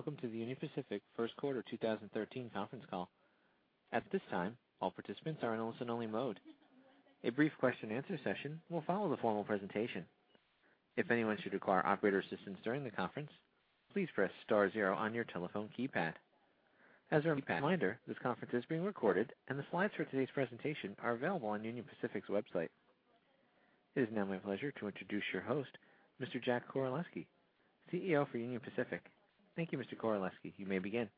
Welcome to the Union Pacific first quarter 2013 conference call. At this time, all participants are in listen-only mode. A brief question-and-answer session will follow the formal presentation. If anyone should require operator assistance during the conference, please press star zero on your telephone keypad. As a reminder, this conference is being recorded, and the slides for today's presentation are available on Union Pacific's website. It is now my pleasure to introduce your host, Mr. Jack Koraleski, CEO for Union Pacific. Thank you, Mr. Koraleski. You may begin.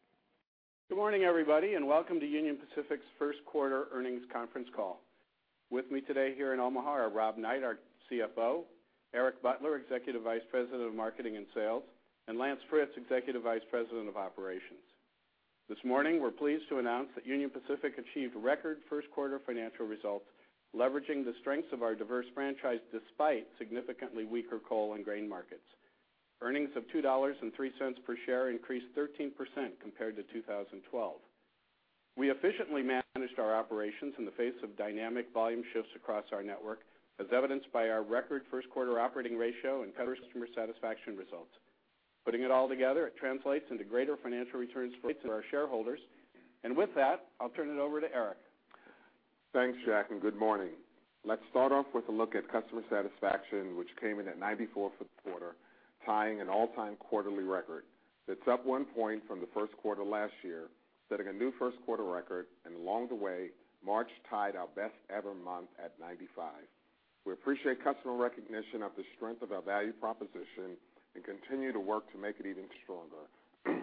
Good morning, everybody, and welcome to Union Pacific's first quarter earnings conference call. With me today here in Omaha are Rob Knight, our CFO; Eric Butler, Executive Vice President of Marketing and Sales; and Lance Fritz, Executive Vice President of Operations. This morning, we're pleased to announce that Union Pacific achieved record first quarter financial results, leveraging the strengths of our diverse franchise despite significantly weaker coal and grain markets. Earnings of $2.03 per share increased 13% compared to 2012. We efficiently managed our operations in the face of dynamic volume shifts across our network, as evidenced by our record first quarter operating ratio and customer satisfaction results. Putting it all together, it translates into greater financial returns for our shareholders. And with that, I'll turn it over to Eric. Thanks, Jack, and good morning. Let's start off with a look at customer satisfaction, which came in at 94 for the quarter, tying an all-time quarterly record. That's up 1 point from the first quarter last year, setting a new first-quarter record, and along the way, March tied our best-ever month at 95. We appreciate customer recognition of the strength of our value proposition and continue to work to make it even stronger.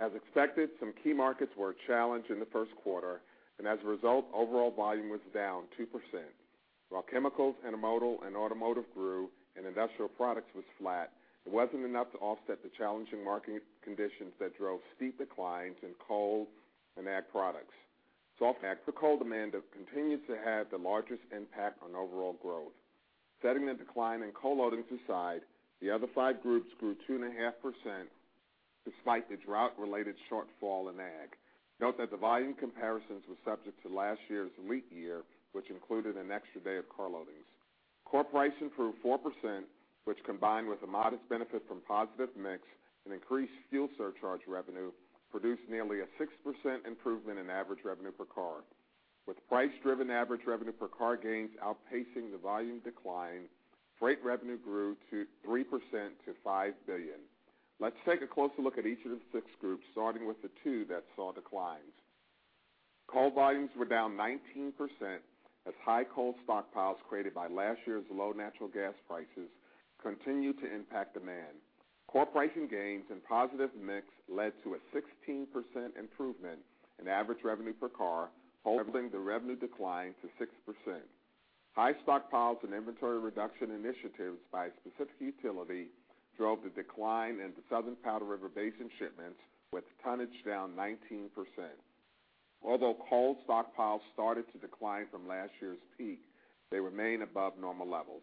As expected, some key markets were a challenge in the first quarter, and as a result, overall volume was down 2%. While chemicals, intermodal, and automotive grew and industrial products was flat, it wasn't enough to offset the challenging market conditions that drove steep declines in coal and ag products. Soft ag and coal demand continues to have the largest impact on overall growth. Setting the decline in coal loadings aside, the other five groups grew 2.5% despite the drought-related shortfall in ag. Note that the volume comparisons were subject to last year's leap year, which included an extra day of car loadings. Core pricing improved 4%, which, combined with a modest benefit from positive mix and increased fuel surcharge revenue, produced nearly a 6% improvement in average revenue per car. With price-driven average revenue per car gains outpacing the volume decline, freight revenue grew 3% to $5 billion. Let's take a closer look at each of the six groups, starting with the two that saw declines. Coal volumes were down 19%, as high coal stockpiles created by last year's low natural gas prices continued to impact demand. Core pricing gains and positive mix led to a 16% improvement in average revenue per car, holding the revenue decline to 6%. High stockpiles and inventory reduction initiatives by a specific utility drove the decline in the Southern Powder River Basin shipments, with tonnage down 19%. Although coal stockpiles started to decline from last year's peak, they remain above normal levels.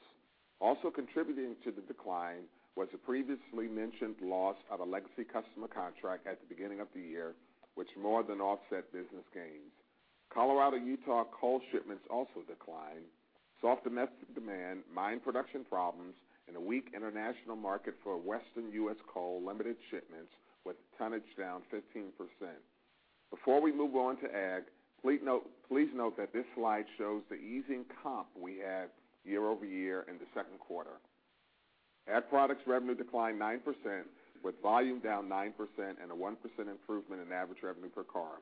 Also contributing to the decline was the previously mentioned loss of a legacy customer contract at the beginning of the year, which more than offset business gains. Colorado, Utah coal shipments also declined. Soft domestic demand, mine production problems, and a weak international market for Western U.S. coal limited shipments with tonnage down 15%. Before we move on to ag, please note that this slide shows the easing comp we had year-over-year in the second quarter. Ag products revenue declined 9%, with volume down 9% and a 1% improvement in average revenue per car.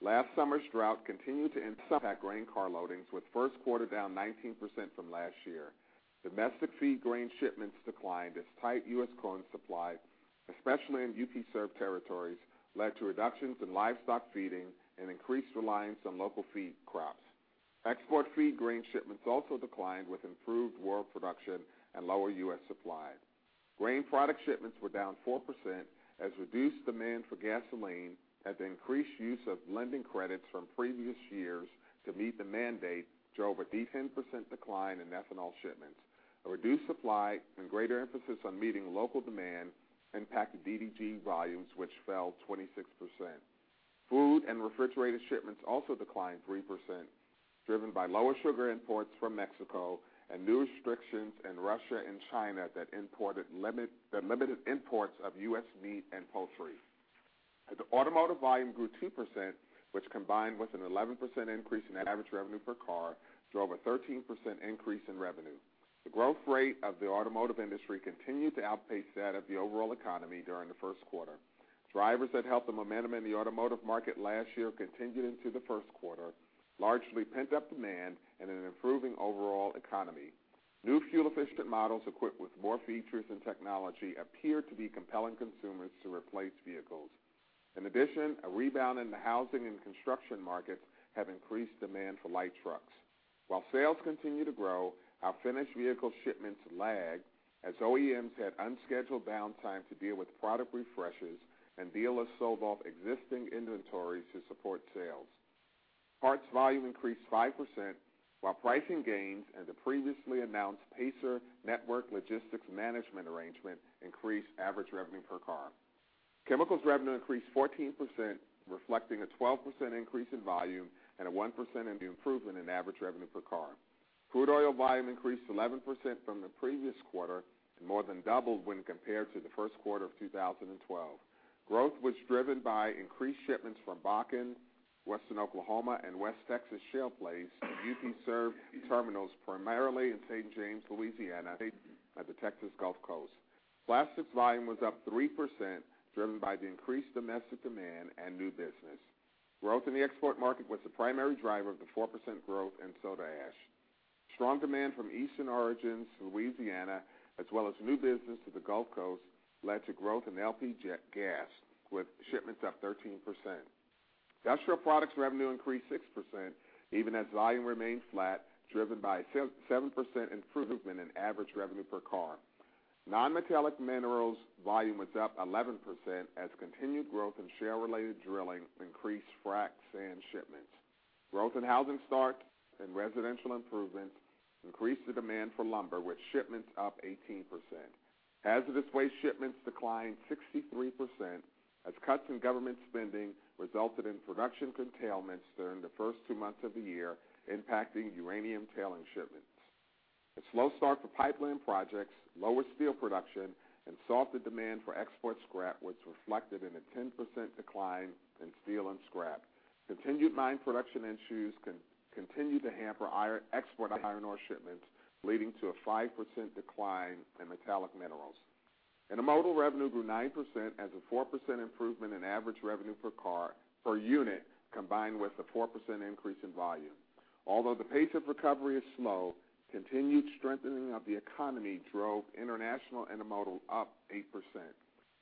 Last summer's drought continued to impact grain car loadings, with first quarter down 19% from last year. Domestic feed grain shipments declined as tight U.S. corn supply, especially in UP-served territories, led to reductions in livestock feeding and increased reliance on local feed crops. Export feed grain shipments also declined, with improved world production and lower U.S. supply. Grain product shipments were down 4% as reduced demand for gasoline and the increased use of lending credits from previous years to meet the mandate drove a 10% decline in ethanol shipments. A reduced supply and greater emphasis on meeting local demand impacted DDG volumes, which fell 26%. Food and refrigerated shipments also declined 3%, driven by lower sugar imports from Mexico and new restrictions in Russia and China that limited imports of U.S. meat and poultry. The automotive volume grew 2%, which, combined with an 11% increase in average revenue per car, drove a 13% increase in revenue. The growth rate of the automotive industry continued to outpace that of the overall economy during the first quarter. Drivers that helped the momentum in the automotive market last year continued into the first quarter, largely pent-up demand and an improving overall economy. New fuel-efficient models equipped with more features and technology appear to be compelling consumers to replace vehicles. In addition, a rebound in the housing and construction markets have increased demand for light trucks. While sales continue to grow, our finished vehicle shipments lag as OEMs had unscheduled downtime to deal with product refreshes and dealers sold off existing inventories to support sales. Parts volume increased 5%, while pricing gains and the previously announced Pacer Network Logistics Management arrangement increased average revenue per car. Chemicals revenue increased 14%, reflecting a 12% increase in volume and a 1% improvement in average revenue per car....Crude oil volume increased 11% from the previous quarter, and more than doubled when compared to the first quarter of 2012. Growth was driven by increased shipments from Bakken, Western Oklahoma, and West Texas shale plays, and UP-served terminals primarily in St. James, Louisiana, and the Texas Gulf Coast. Plastics volume was up 3%, driven by the increased domestic demand and new business. Growth in the export market was the primary driver of the 4% growth in soda ash. Strong demand from eastern origins, Louisiana, as well as new business to the Gulf Coast, led to growth in LPG, jet, gas, with shipments up 13%. Industrial products revenue increased 6%, even as volume remained flat, driven by 7% improvement in average revenue per car. Non-metallic minerals volume was up 11%, as continued growth in shale-related drilling increased frack sand shipments. Growth in housing starts and residential improvements increased the demand for lumber, with shipments up 18%. Hazardous waste shipments declined 63%, as cuts in government spending resulted in production curtailments during the first two months of the year, impacting uranium tailing shipments. A slow start for pipeline projects, lower steel production, and softer demand for export scrap was reflected in a 10% decline in steel and scrap. Continued mine production issues continued to hamper export iron ore shipments, leading to a 5% decline in metallic minerals. Intermodal revenue grew 9%, as a 4% improvement in average revenue per car, per unit, combined with a 4% increase in volume. Although the pace of recovery is slow, continued strengthening of the economy drove international intermodal up 8%.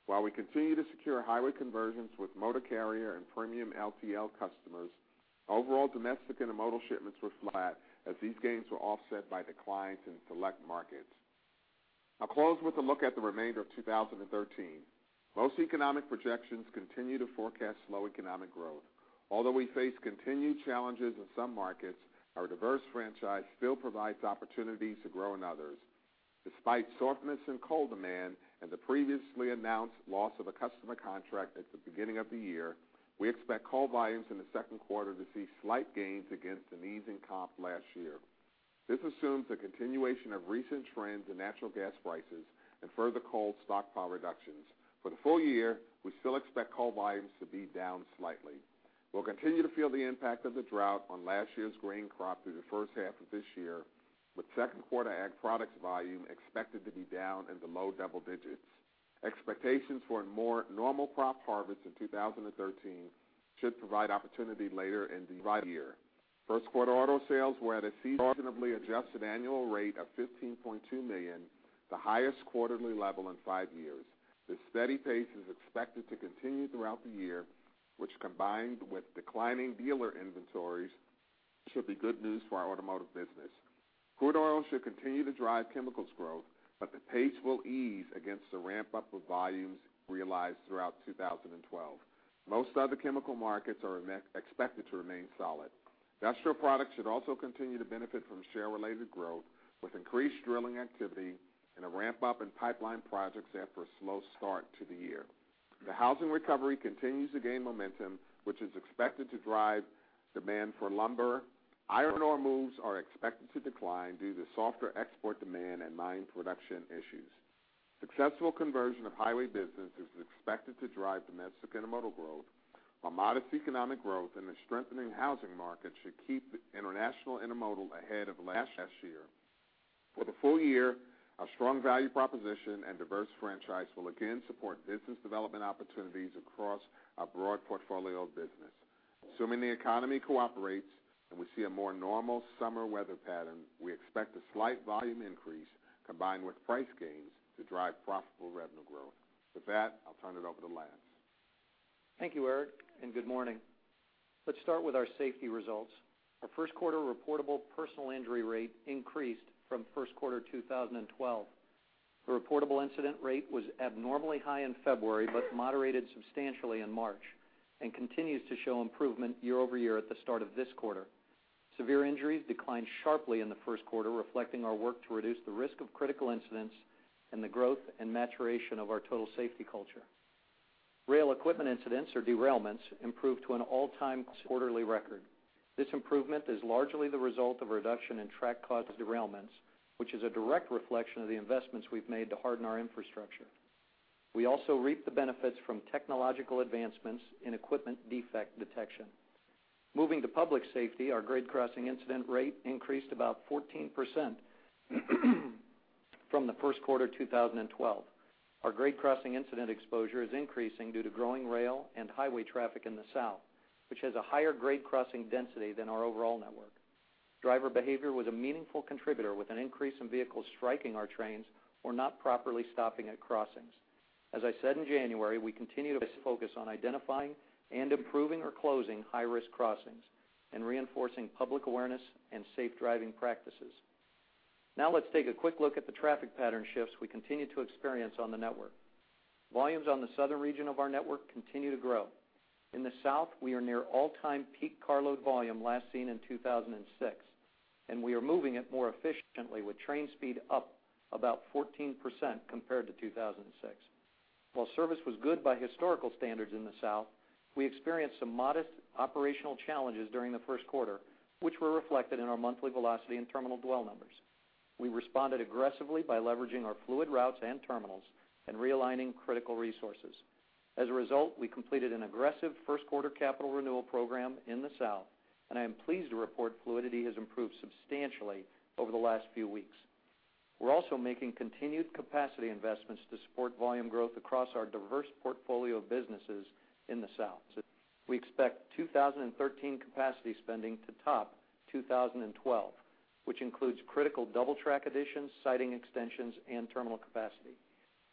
While we continue to secure highway conversions with motor carrier and premium LTL customers, overall domestic intermodal shipments were flat, as these gains were offset by declines in select markets. I'll close with a look at the remainder of 2013. Most economic projections continue to forecast slow economic growth. Although we face continued challenges in some markets, our diverse franchise still provides opportunities to grow in others. Despite softness in coal demand and the previously announced loss of a customer contract at the beginning of the year, we expect coal volumes in the second quarter to see slight gains against an easing comp last year. This assumes a continuation of recent trends in natural gas prices and further coal stockpile reductions. For the full year, we still expect coal volumes to be down slightly. We'll continue to feel the impact of the drought on last year's grain crop through the first half of this year, with second quarter ag products volume expected to be down in the low double digits. Expectations for a more normal crop harvest in 2013 should provide opportunity later in the year. First quarter auto sales were at a seasonally adjusted annual rate of 15.2 million, the highest quarterly level in 5 years. This steady pace is expected to continue throughout the year, which combined with declining dealer inventories, should be good news for our automotive business. Crude oil should continue to drive chemicals growth, but the pace will ease against the ramp-up of volumes realized throughout 2012. Most other chemical markets are expected to remain solid. Industrial products should also continue to benefit from shale-related growth, with increased drilling activity and a ramp-up in pipeline projects after a slow start to the year. The housing recovery continues to gain momentum, which is expected to drive demand for lumber. Iron ore moves are expected to decline due to softer export demand and mine production issues. Successful conversion of highway business is expected to drive domestic intermodal growth, while modest economic growth and a strengthening housing market should keep international intermodal ahead of last year. For the full year, our strong value proposition and diverse franchise will again support business development opportunities across our broad portfolio of business. Assuming the economy cooperates and we see a more normal summer weather pattern, we expect a slight volume increase, combined with price gains, to drive profitable revenue growth. With that, I'll turn it over to Lance. Thank you, Eric, and good morning. Let's start with our safety results. Our first quarter reportable personal injury rate increased from first quarter 2012. The reportable incident rate was abnormally high in February, but moderated substantially in March, and continues to show improvement year-over-year at the start of this quarter. Severe injuries declined sharply in the first quarter, reflecting our work to reduce the risk of critical incidents and the growth and maturation of our total safety culture. Rail equipment incidents or derailments improved to an all-time quarterly record. This improvement is largely the result of a reduction in track-caused derailments, which is a direct reflection of the investments we've made to harden our infrastructure. We also reap the benefits from technological advancements in equipment defect detection. Moving to public safety, our grade crossing incident rate increased about 14% from the first quarter 2012. Our grade crossing incident exposure is increasing due to growing rail and highway traffic in the South, which has a higher grade crossing density than our overall network. Driver behavior was a meaningful contributor, with an increase in vehicles striking our trains or not properly stopping at crossings. As I said in January, we continue to focus on identifying and improving or closing high-risk crossings and reinforcing public awareness and safe driving practices. Now, let's take a quick look at the traffic pattern shifts we continue to experience on the network. Volumes on the Southern region of our network continue to grow. In the South, we are near all-time peak carload volume, last seen in 2006, and we are moving it more efficiently with train speed up about 14% compared to 2006. While service was good by historical standards in the South, we experienced some modest operational challenges during the first quarter, which were reflected in our monthly velocity and terminal dwell numbers. We responded aggressively by leveraging our fluid routes and terminals and realigning critical resources. As a result, we completed an aggressive first quarter capital renewal program in the South, and I am pleased to report fluidity has improved substantially over the last few weeks. We're also making continued capacity investments to support volume growth across our diverse portfolio of businesses in the South. We expect 2013 capacity spending to top 2012, which includes critical double track additions, siding extensions, and terminal capacity.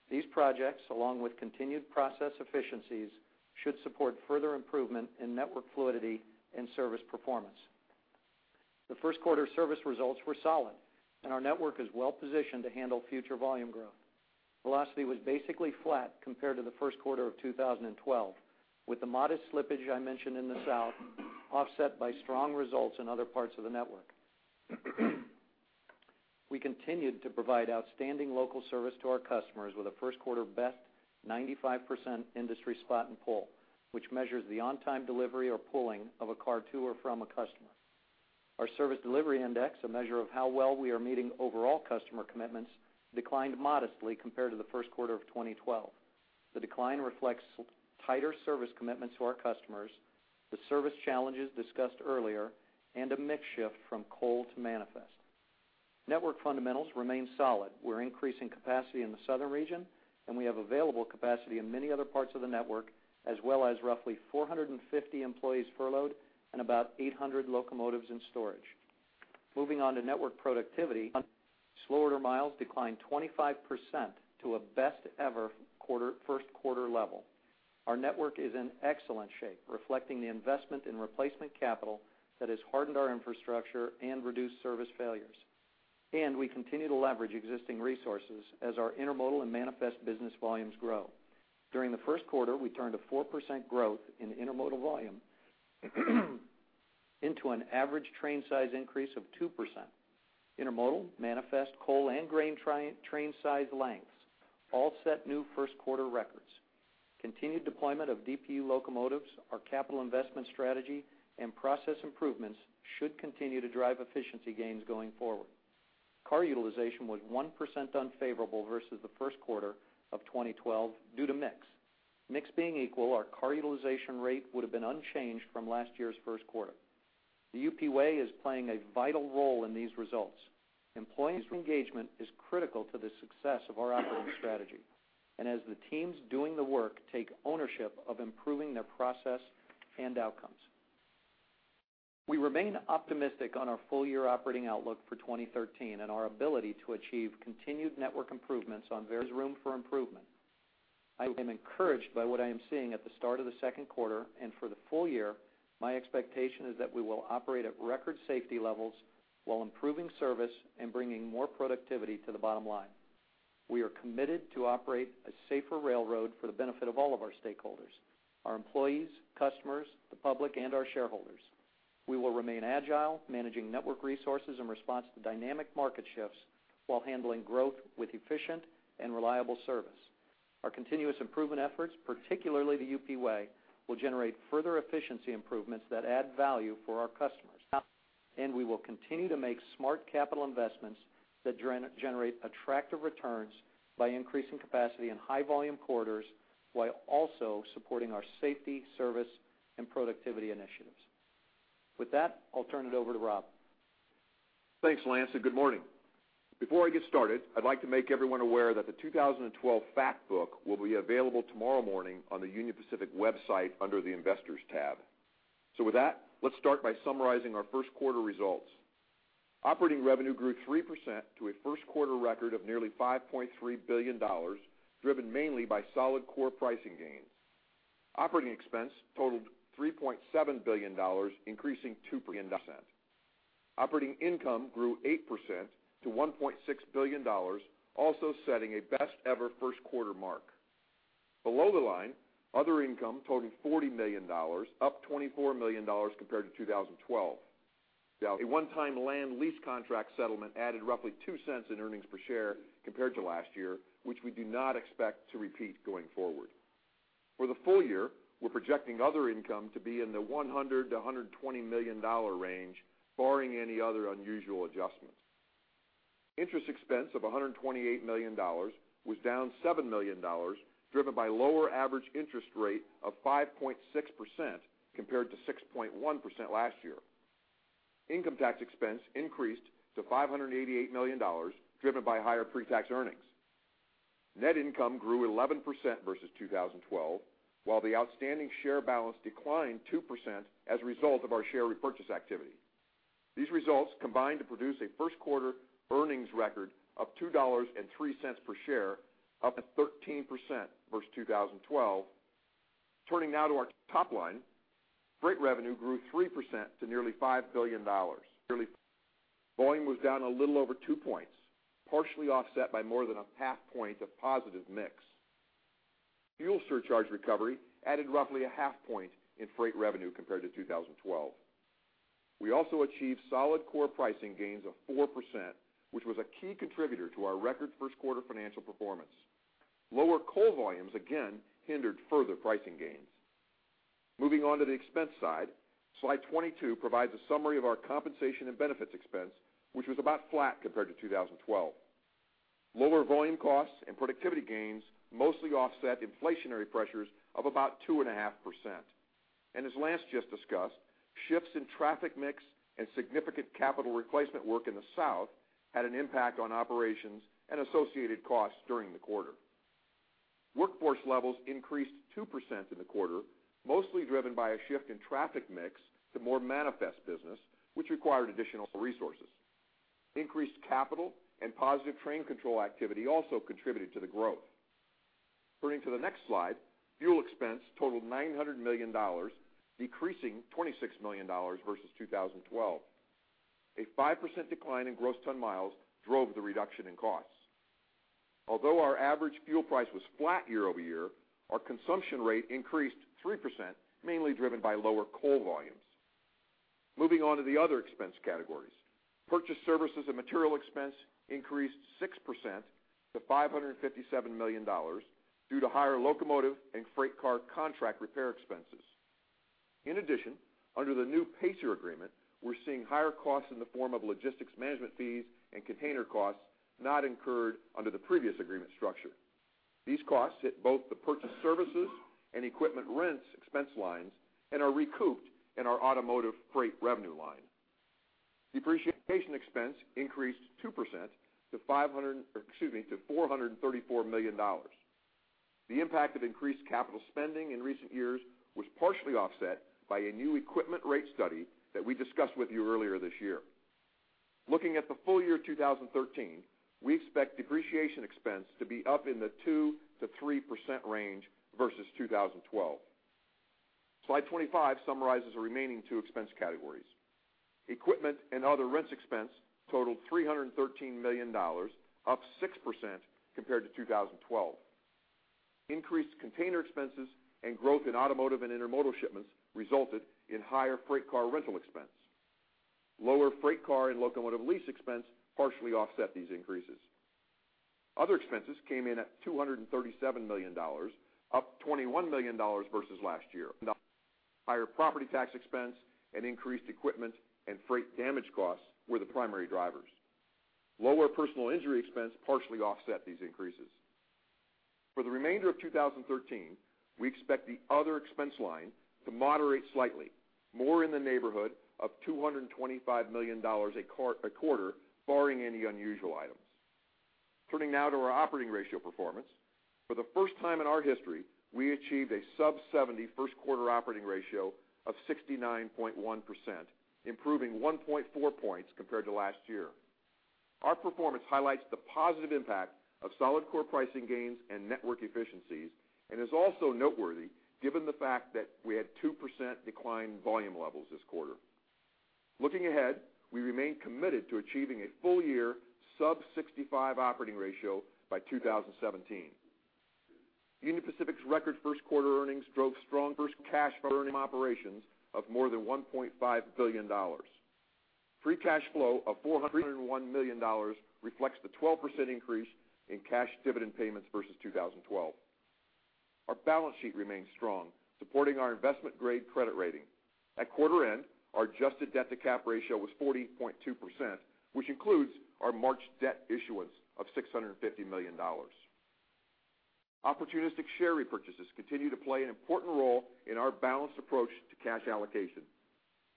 These projects, along with continued process efficiencies, should support further improvement in network fluidity and service performance. The first quarter service results were solid, and our network is well positioned to handle future volume growth. Velocity was basically flat compared to the first quarter of 2012, with the modest slippage I mentioned in the South, offset by strong results in other parts of the network. We continued to provide outstanding local service to our customers with a first quarter best 95% Industry Spot and Pull, which measures the on-time delivery or pulling of a car to or from a customer. Our Service Delivery Index, a measure of how well we are meeting overall customer commitments, declined modestly compared to the first quarter of 2012. The decline reflects tighter service commitments to our customers, the service challenges discussed earlier, and a mix shift from coal to manifest. Network fundamentals remain solid. We're increasing capacity in the southern region, and we have available capacity in many other parts of the network, as well as roughly 450 employees furloughed and about 800 locomotives in storage. Moving on to network productivity, Slow Order Miles declined 25% to a best ever quarter, first quarter level. Our network is in excellent shape, reflecting the investment in replacement capital that has hardened our infrastructure and reduced service failures. And we continue to leverage existing resources as our intermodal and manifest business volumes grow. During the first quarter, we turned a 4% growth in intermodal volume into an average train size increase of 2%. Intermodal, manifest, coal, and grain train size lengths all set new first quarter records. Continued deployment of DPU locomotives, our capital investment strategy, and process improvements should continue to drive efficiency gains going forward. Car utilization was 1% unfavorable versus the first quarter of 2012 due to mix. Mix being equal, our car utilization rate would have been unchanged from last year's first quarter. The UP Way is playing a vital role in these results. Employees' engagement is critical to the success of our operating strategy, and as the teams doing the work take ownership of improving their process and outcomes. We remain optimistic on our full-year operating outlook for 2013 and our ability to achieve continued network improvements. There's various room for improvement. I am encouraged by what I am seeing at the start of the second quarter and for the full year, my expectation is that we will operate at record safety levels while improving service and bringing more productivity to the bottom line. We are committed to operate a safer railroad for the benefit of all of our stakeholders, our employees, customers, the public, and our shareholders. We will remain agile, managing network resources in response to dynamic market shifts while handling growth with efficient and reliable service. Our continuous improvement efforts, particularly the UP Way, will generate further efficiency improvements that add value for our customers. We will continue to make smart capital investments that generate attractive returns by increasing capacity in high volume corridors, while also supporting our safety, service, and productivity initiatives. With that, I'll turn it over to Rob. Thanks, Lance, and good morning. Before I get started, I'd like to make everyone aware that the 2012 Fact Book will be available tomorrow morning on the Union Pacific website under the Investors tab. So with that, let's start by summarizing our first quarter results. Operating revenue grew 3% to a first quarter record of nearly $5.3 billion, driven mainly by solid core pricing gains. Operating expense totaled $3.7 billion, increasing 2%. Operating income grew 8% to $1.6 billion, also setting a best-ever first quarter mark. Below the line, other income totaled $40 million, up $24 million compared to 2012. A one-time land lease contract settlement added roughly $0.02 in earnings per share compared to last year, which we do not expect to repeat going forward. For the full year, we're projecting other income to be in the $100 million-$120 million range, barring any other unusual adjustments. Interest expense of $128 million was down $7 million, driven by lower average interest rate of 5.6% compared to 6.1% last year. Income tax expense increased to $588 million, driven by higher pre-tax earnings. Net income grew 11% versus 2012, while the outstanding share balance declined 2% as a result of our share repurchase activity. These results combined to produce a first quarter earnings record of $2.03 per share, up 13% versus 2012. Turning now to our top line. Freight revenue grew 3% to nearly $5 billion. Volume was down a little over 2 points, partially offset by more than a 0.5 point of positive mix. Fuel surcharge recovery added roughly a 0.5 point in freight revenue compared to 2012.... We also achieved solid core pricing gains of 4%, which was a key contributor to our record first quarter financial performance. Lower coal volumes again hindered further pricing gains. Moving on to the expense side, slide 22 provides a summary of our compensation and benefits expense, which was about flat compared to 2012. Lower volume costs and productivity gains mostly offset inflationary pressures of about 2.5%. And as Lance just discussed, shifts in traffic mix and significant capital replacement work in the South had an impact on operations and associated costs during the quarter. Workforce levels increased 2% in the quarter, mostly driven by a shift in traffic mix to more manifest business, which required additional resources. Increased capital and Positive Train Control activity also contributed to the growth. Turning to the next slide, fuel expense totaled $900 million, decreasing $26 million versus 2012. A 5% decline in Gross Ton Miles drove the reduction in costs. Although our average fuel price was flat year-over-year, our consumption rate increased 3%, mainly driven by lower coal volumes. Moving on to the other expense categories, purchased services and material expense increased 6% to $557 million due to higher locomotive and freight car contract repair expenses. In addition, under the new Pacer agreement, we're seeing higher costs in the form of logistics management fees and container costs not incurred under the previous agreement structure. These costs hit both the purchased services and equipment rents expense lines and are recouped in our automotive freight revenue line. Depreciation expense increased 2% to $434 million. Or excuse me, the impact of increased capital spending in recent years was partially offset by a new equipment rate study that we discussed with you earlier this year. Looking at the full year 2013, we expect depreciation expense to be up in the 2%-3% range versus 2012. Slide 25 summarizes the remaining two expense categories. Equipment and other rents expense totaled $313 million, up 6% compared to 2012. Increased container expenses and growth in automotive and intermodal shipments resulted in higher freight car rental expense. Lower freight car and locomotive lease expense partially offset these increases. Other expenses came in at $237 million, up $21 million versus last year. Higher property tax expense and increased equipment and freight damage costs were the primary drivers. Lower personal injury expense partially offset these increases. For the remainder of 2013, we expect the other expense line to moderate slightly, more in the neighborhood of $225 million a quarter, barring any unusual items. Turning now to our operating ratio performance. For the first time in our history, we achieved a sub-70 first quarter operating ratio of 69.1%, improving 1.4 points compared to last year. Our performance highlights the positive impact of solid core pricing gains and network efficiencies, and is also noteworthy given the fact that we had 2% decline in volume levels this quarter. Looking ahead, we remain committed to achieving a full-year sub-65 operating ratio by 2017. Union Pacific's record first quarter earnings drove strong first cash from earning operations of more than $1.5 billion. Free cash flow of $401 million reflects the 12% increase in cash dividend payments versus 2012. Our balance sheet remains strong, supporting our investment-grade credit rating. At quarter end, our adjusted debt-to-cap ratio was 40.2%, which includes our March debt issuance of $650 million. Opportunistic share repurchases continue to play an important role in our balanced approach to cash allocation.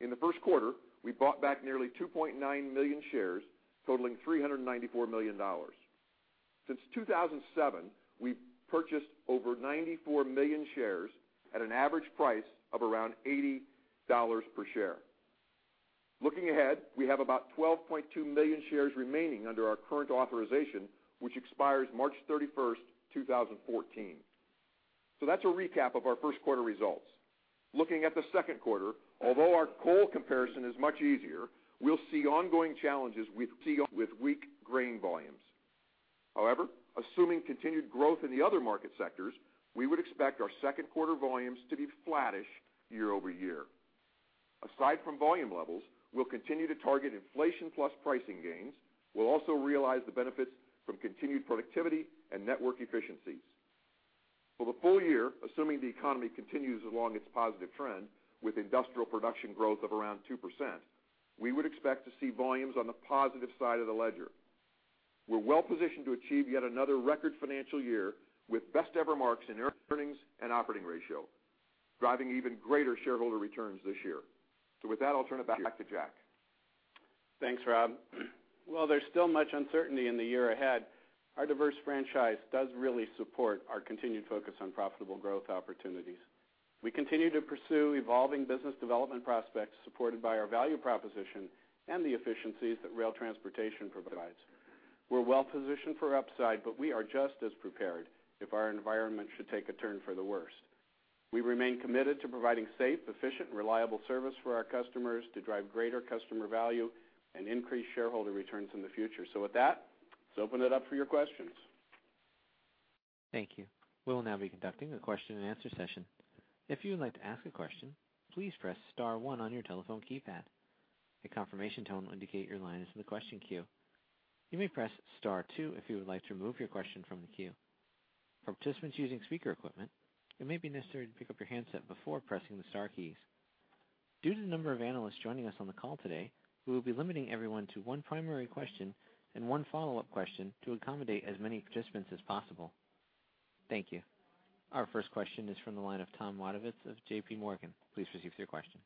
In the first quarter, we bought back nearly 2.9 million shares, totaling $394 million. Since 2007, we've purchased over 94 million shares at an average price of around $80 per share. Looking ahead, we have about 12.2 million shares remaining under our current authorization, which expires March 31st, 2014. So that's a recap of our first quarter results. Looking at the second quarter, although our coal comparison is much easier, we'll see ongoing challenges with weak grain volumes. However, assuming continued growth in the other market sectors, we would expect our second quarter volumes to be flattish year-over-year. Aside from volume levels, we'll continue to target inflation plus pricing gains. We'll also realize the benefits from continued productivity and network efficiencies. For the full year, assuming the economy continues along its positive trend, with industrial production growth of around 2%, we would expect to see volumes on the positive side of the ledger. We're well positioned to achieve yet another record financial year with best ever marks in earnings and operating ratio, driving even greater shareholder returns this year. So with that, I'll turn it back to Jack. Thanks, Rob. While there's still much uncertainty in the year ahead, our diverse franchise does really support our continued focus on profitable growth opportunities. We continue to pursue evolving business development prospects supported by our value proposition and the efficiencies that rail transportation provides. We're well positioned for upside, but we are just as prepared if our environment should take a turn for the worst. We remain committed to providing safe, efficient, reliable service for our customers to drive greater customer value and increase shareholder returns in the future. With that, let's open it up for your questions. ...Thank you. We will now be conducting a question-and-answer session. If you would like to ask a question, please press star one on your telephone keypad. A confirmation tone will indicate your line is in the question queue. You may press star two if you would like to remove your question from the queue. For participants using speaker equipment, it may be necessary to pick up your handset before pressing the star keys. Due to the number of analysts joining us on the call today, we will be limiting everyone to one primary question and one follow-up question to accommodate as many participants as possible. Thank you. Our first question is from the line of Tom Wadewitz of JPMorgan. Please proceed with your question.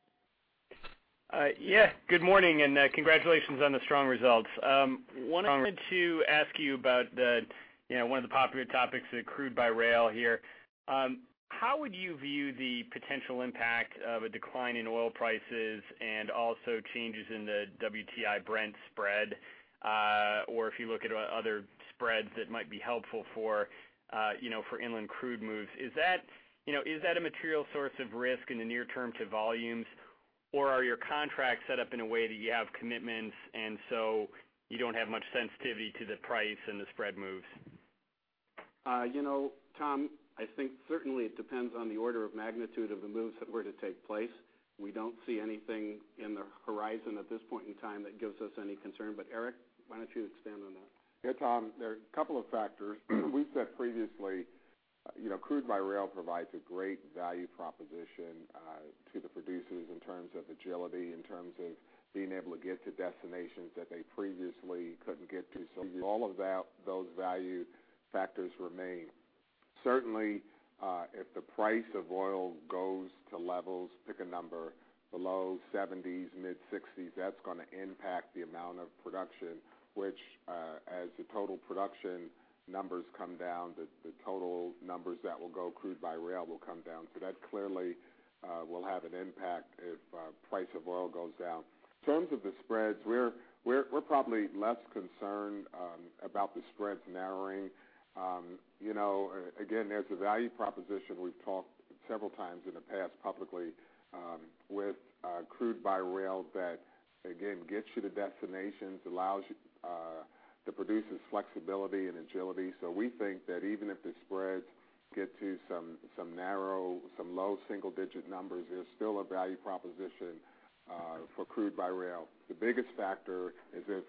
Yeah, good morning, and congratulations on the strong results. One, I wanted to ask you about the, you know, one of the popular topics, the crude by rail here. How would you view the potential impact of a decline in oil prices and also changes in the WTI Brent spread? Or if you look at other spreads, that might be helpful for, you know, for inland crude moves. Is that, you know, is that a material source of risk in the near term to volumes? Or are your contracts set up in a way that you have commitments, and so you don't have much sensitivity to the price and the spread moves? You know, Tom, I think certainly it depends on the order of magnitude of the moves that were to take place. We don't see anything in the horizon at this point in time that gives us any concern, but Eric, why don't you expand on that? Yeah, Tom, there are a couple of factors. We've said previously, you know, crude by rail provides a great value proposition, to the producers in terms of agility, in terms of being able to get to destinations that they previously couldn't get to. So all of that, those value factors remain. Certainly, if the price of oil goes to levels, pick a number, below $70s, mid-$60s, that's gonna impact the amount of production, which, as the total production numbers come down, the total numbers that will go crude by rail will come down. So that clearly, will have an impact if, price of oil goes down. In terms of the spreads, we're probably less concerned, about the spreads narrowing. You know, again, there's a value proposition we've talked several times in the past publicly, with crude by rail that, again, gets you to destinations, allows the producers flexibility and agility. So we think that even if the spreads get to some narrow, some low single digit numbers, there's still a value proposition for crude by rail. The biggest factor is if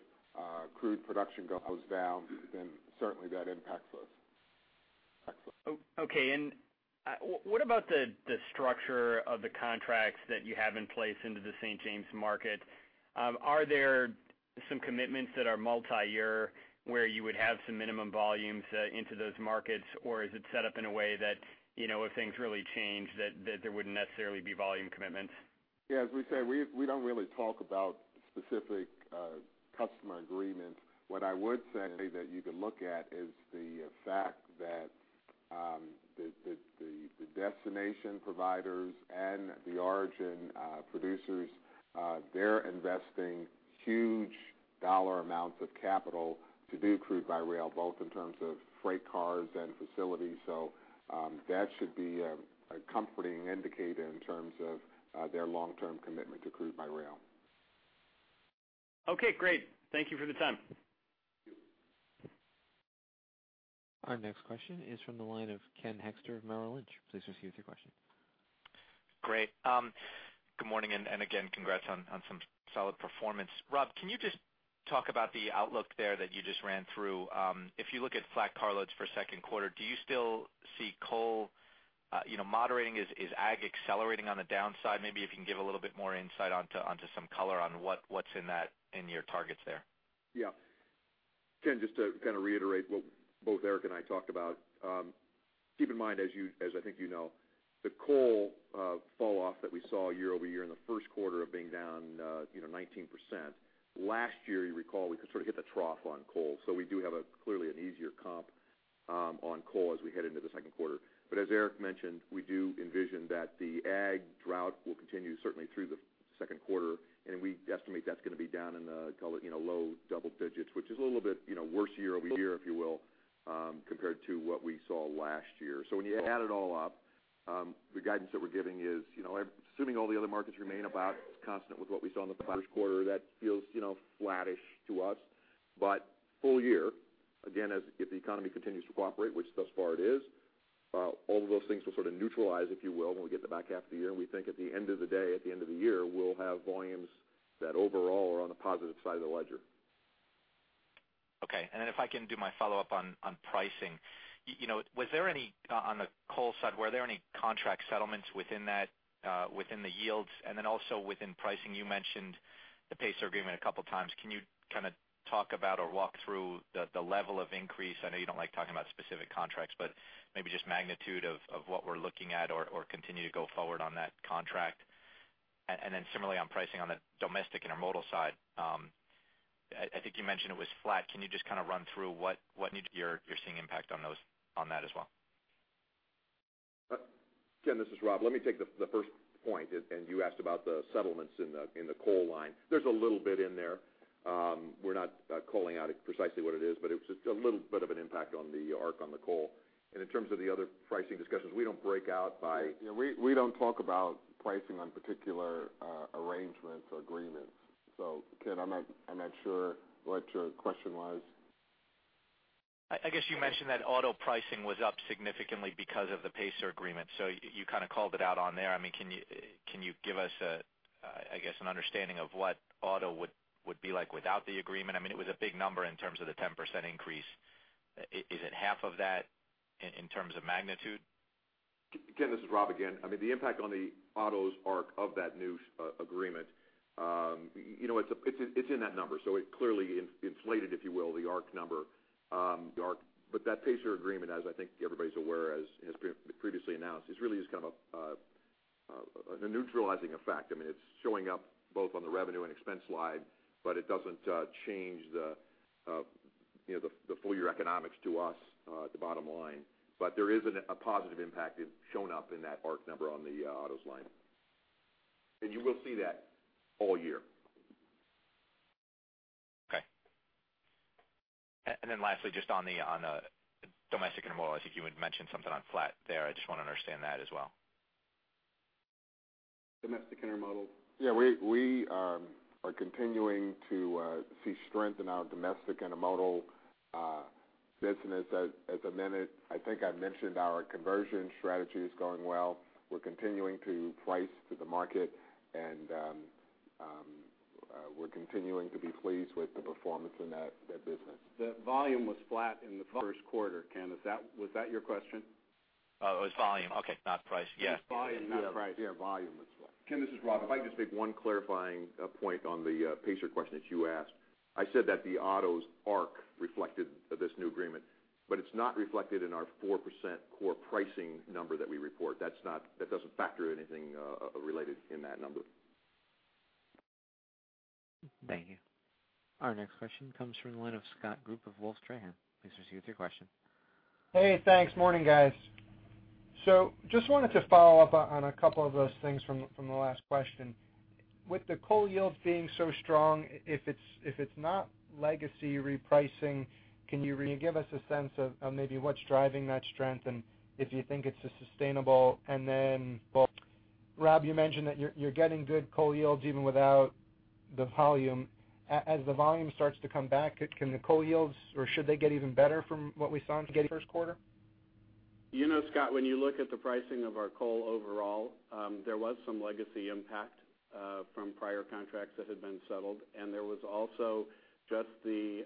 crude production goes down, then certainly that impacts us. Oh, okay. And, what about the, the structure of the contracts that you have in place into the St. James market? Are there some commitments that are multiyear, where you would have some minimum volumes, into those markets, or is it set up in a way that, you know, if things really change, that, that there wouldn't necessarily be volume commitments? Yeah, as we said, we don't really talk about specific customer agreements. What I would say that you could look at is the fact that the destination providers and the origin producers, they're investing huge dollar amounts of capital to do crude by rail, both in terms of freight cars and facilities. So, that should be a comforting indicator in terms of their long-term commitment to crude by rail. Okay, great. Thank you for the time. Our next question is from the line of Ken Hoexter of Merrill Lynch. Please proceed with your question. Great. Good morning, and again, congrats on some solid performance. Rob, can you just talk about the outlook there that you just ran through? If you look at flat carloads for second quarter, do you still see coal, you know, moderating? Is ag accelerating on the downside? Maybe if you can give a little bit more insight onto some color on what's in that, in your targets there. Yeah. Ken, just to kind of reiterate what both Eric and I talked about, keep in mind, as I think you know, the coal falloff that we saw year-over-year in the first quarter of being down, you know, 19%. Last year, you recall, we sort of hit the trough on coal, so we do have clearly an easier comp on coal as we head into the second quarter. But as Eric mentioned, we do envision that the ag drought will continue, certainly through the second quarter, and we estimate that's gonna be down in the, call it, you know, low double digits, which is a little bit, you know, worse year-over-year, if you will, compared to what we saw last year. So when you add it all up, the guidance that we're giving is, you know, assuming all the other markets remain about constant with what we saw in the first quarter, that feels, you know, flattish to us. But full year, again, as if the economy continues to cooperate, which thus far it is, all of those things will sort of neutralize, if you will, when we get to the back half of the year. And we think at the end of the day, at the end of the year, we'll have volumes that overall are on the positive side of the ledger. Okay, and then if I can do my follow-up on pricing. You know, was there any on the coal side, were there any contract settlements within that within the yields? And then also within pricing, you mentioned the Pacer Agreement a couple times. Can you kind of talk about or walk through the level of increase? I know you don't like talking about specific contracts, but maybe just magnitude of what we're looking at or continue to go forward on that contract. And then similarly, on pricing on the domestic intermodal side, I think you mentioned it was flat. Can you just kind of run through what you're seeing impact on that as well? Ken, this is Rob. Let me take the first point, and you asked about the settlements in the coal line. There's a little bit in there. We're not calling out precisely what it is, but it's just a little bit of an impact on the ARC on the coal. And in terms of the other pricing discussions, we don't break out by- Yeah, we, we don't talk about pricing on particular, arrangements or agreements. So Ken, I'm not, I'm not sure what your question was.... I guess you mentioned that auto pricing was up significantly because of the Pacer agreement, so you kind of called it out on there. I mean, can you give us a, I guess, an understanding of what auto would be like without the agreement? I mean, it was a big number in terms of the 10% increase. Is it half of that in terms of magnitude? Ken, this is Rob again. I mean, the impact on the autos ARC of that new agreement, you know, it's in that number, so it clearly inflated, if you will, the ARC number, the ARC. But that Pacer agreement, as I think everybody's aware, as previously announced, is really just kind of a neutralizing effect. I mean, it's showing up both on the revenue and expense line, but it doesn't change the, you know, the full year economics to us, at the bottom line. But there is a positive impact showing up in that ARC number on the autos line. And you will see that all year. Okay. And then lastly, just on the, on the domestic intermodal, I think you had mentioned something on flat there. I just wanna understand that as well. Domestic intermodal? Yeah, we are continuing to see strength in our domestic intermodal business at the minute. I think I've mentioned our conversion strategy is going well. We're continuing to price to the market, and we're continuing to be pleased with the performance in that business. The volume was flat in the first quarter, Ken. Is that, was that your question? Oh, it was volume. Okay, not price. Yeah. Volume, not price. Yeah, volume was flat. Ken, this is Rob. If I could just make one clarifying point on the Pacer question that you asked. I said that the autos ARC reflected this new agreement, but it's not reflected in our 4% core pricing number that we report. That doesn't factor anything related in that number. Thank you. Our next question comes from the line of Scott Group of Wolfe Research. Please proceed with your question. Hey, thanks. Morning, guys. Just wanted to follow up on a couple of those things from the last question. With the coal yields being so strong, if it's not legacy repricing, can you give us a sense of maybe what's driving that strength, and if you think it's sustainable? Then, Rob, you mentioned that you're getting good coal yields even without the volume. As the volume starts to come back, can the coal yields, or should they get even better from what we saw in the first quarter? You know, Scott, when you look at the pricing of our coal overall, there was some legacy impact from prior contracts that had been settled, and there was also just the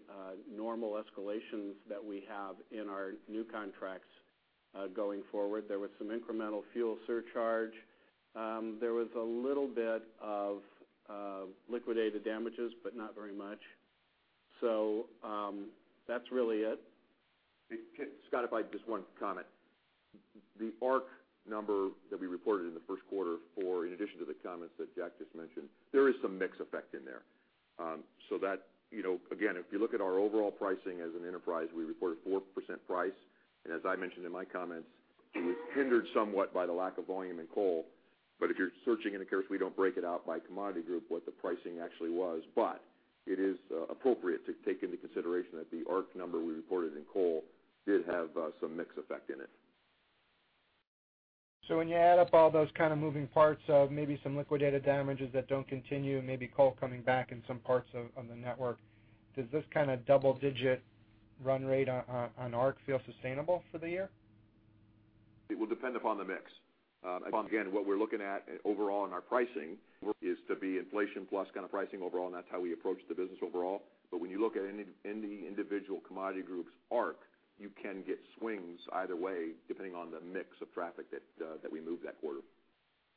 normal escalations that we have in our new contracts going forward. There was some incremental fuel surcharge. There was a little bit of liquidated damages, but not very much. So, that's really it. Hey, Ken, Scott, if I could just one comment. The ARC number that we reported in the first quarter for, in addition to the comments that Jack just mentioned, there is some mix effect in there. So that, you know, again, if you look at our overall pricing as an enterprise, we reported 4% price, and as I mentioned in my comments, it was hindered somewhat by the lack of volume in coal. But if you're searching in the case, we don't break it out by commodity group, what the pricing actually was. But it is appropriate to take into consideration that the ARC number we reported in coal did have some mix effect in it. When you add up all those kind of moving parts of maybe some liquidated damages that don't continue, maybe coal coming back in some parts of on the network, does this kind of double-digit run rate on ARC feel sustainable for the year? It will depend upon the mix. Again, what we're looking at overall in our pricing is to be inflation plus kind of pricing overall, and that's how we approach the business overall. But when you look at any, any individual commodity group's arc, you can get swings either way, depending on the mix of traffic that that we move that quarter.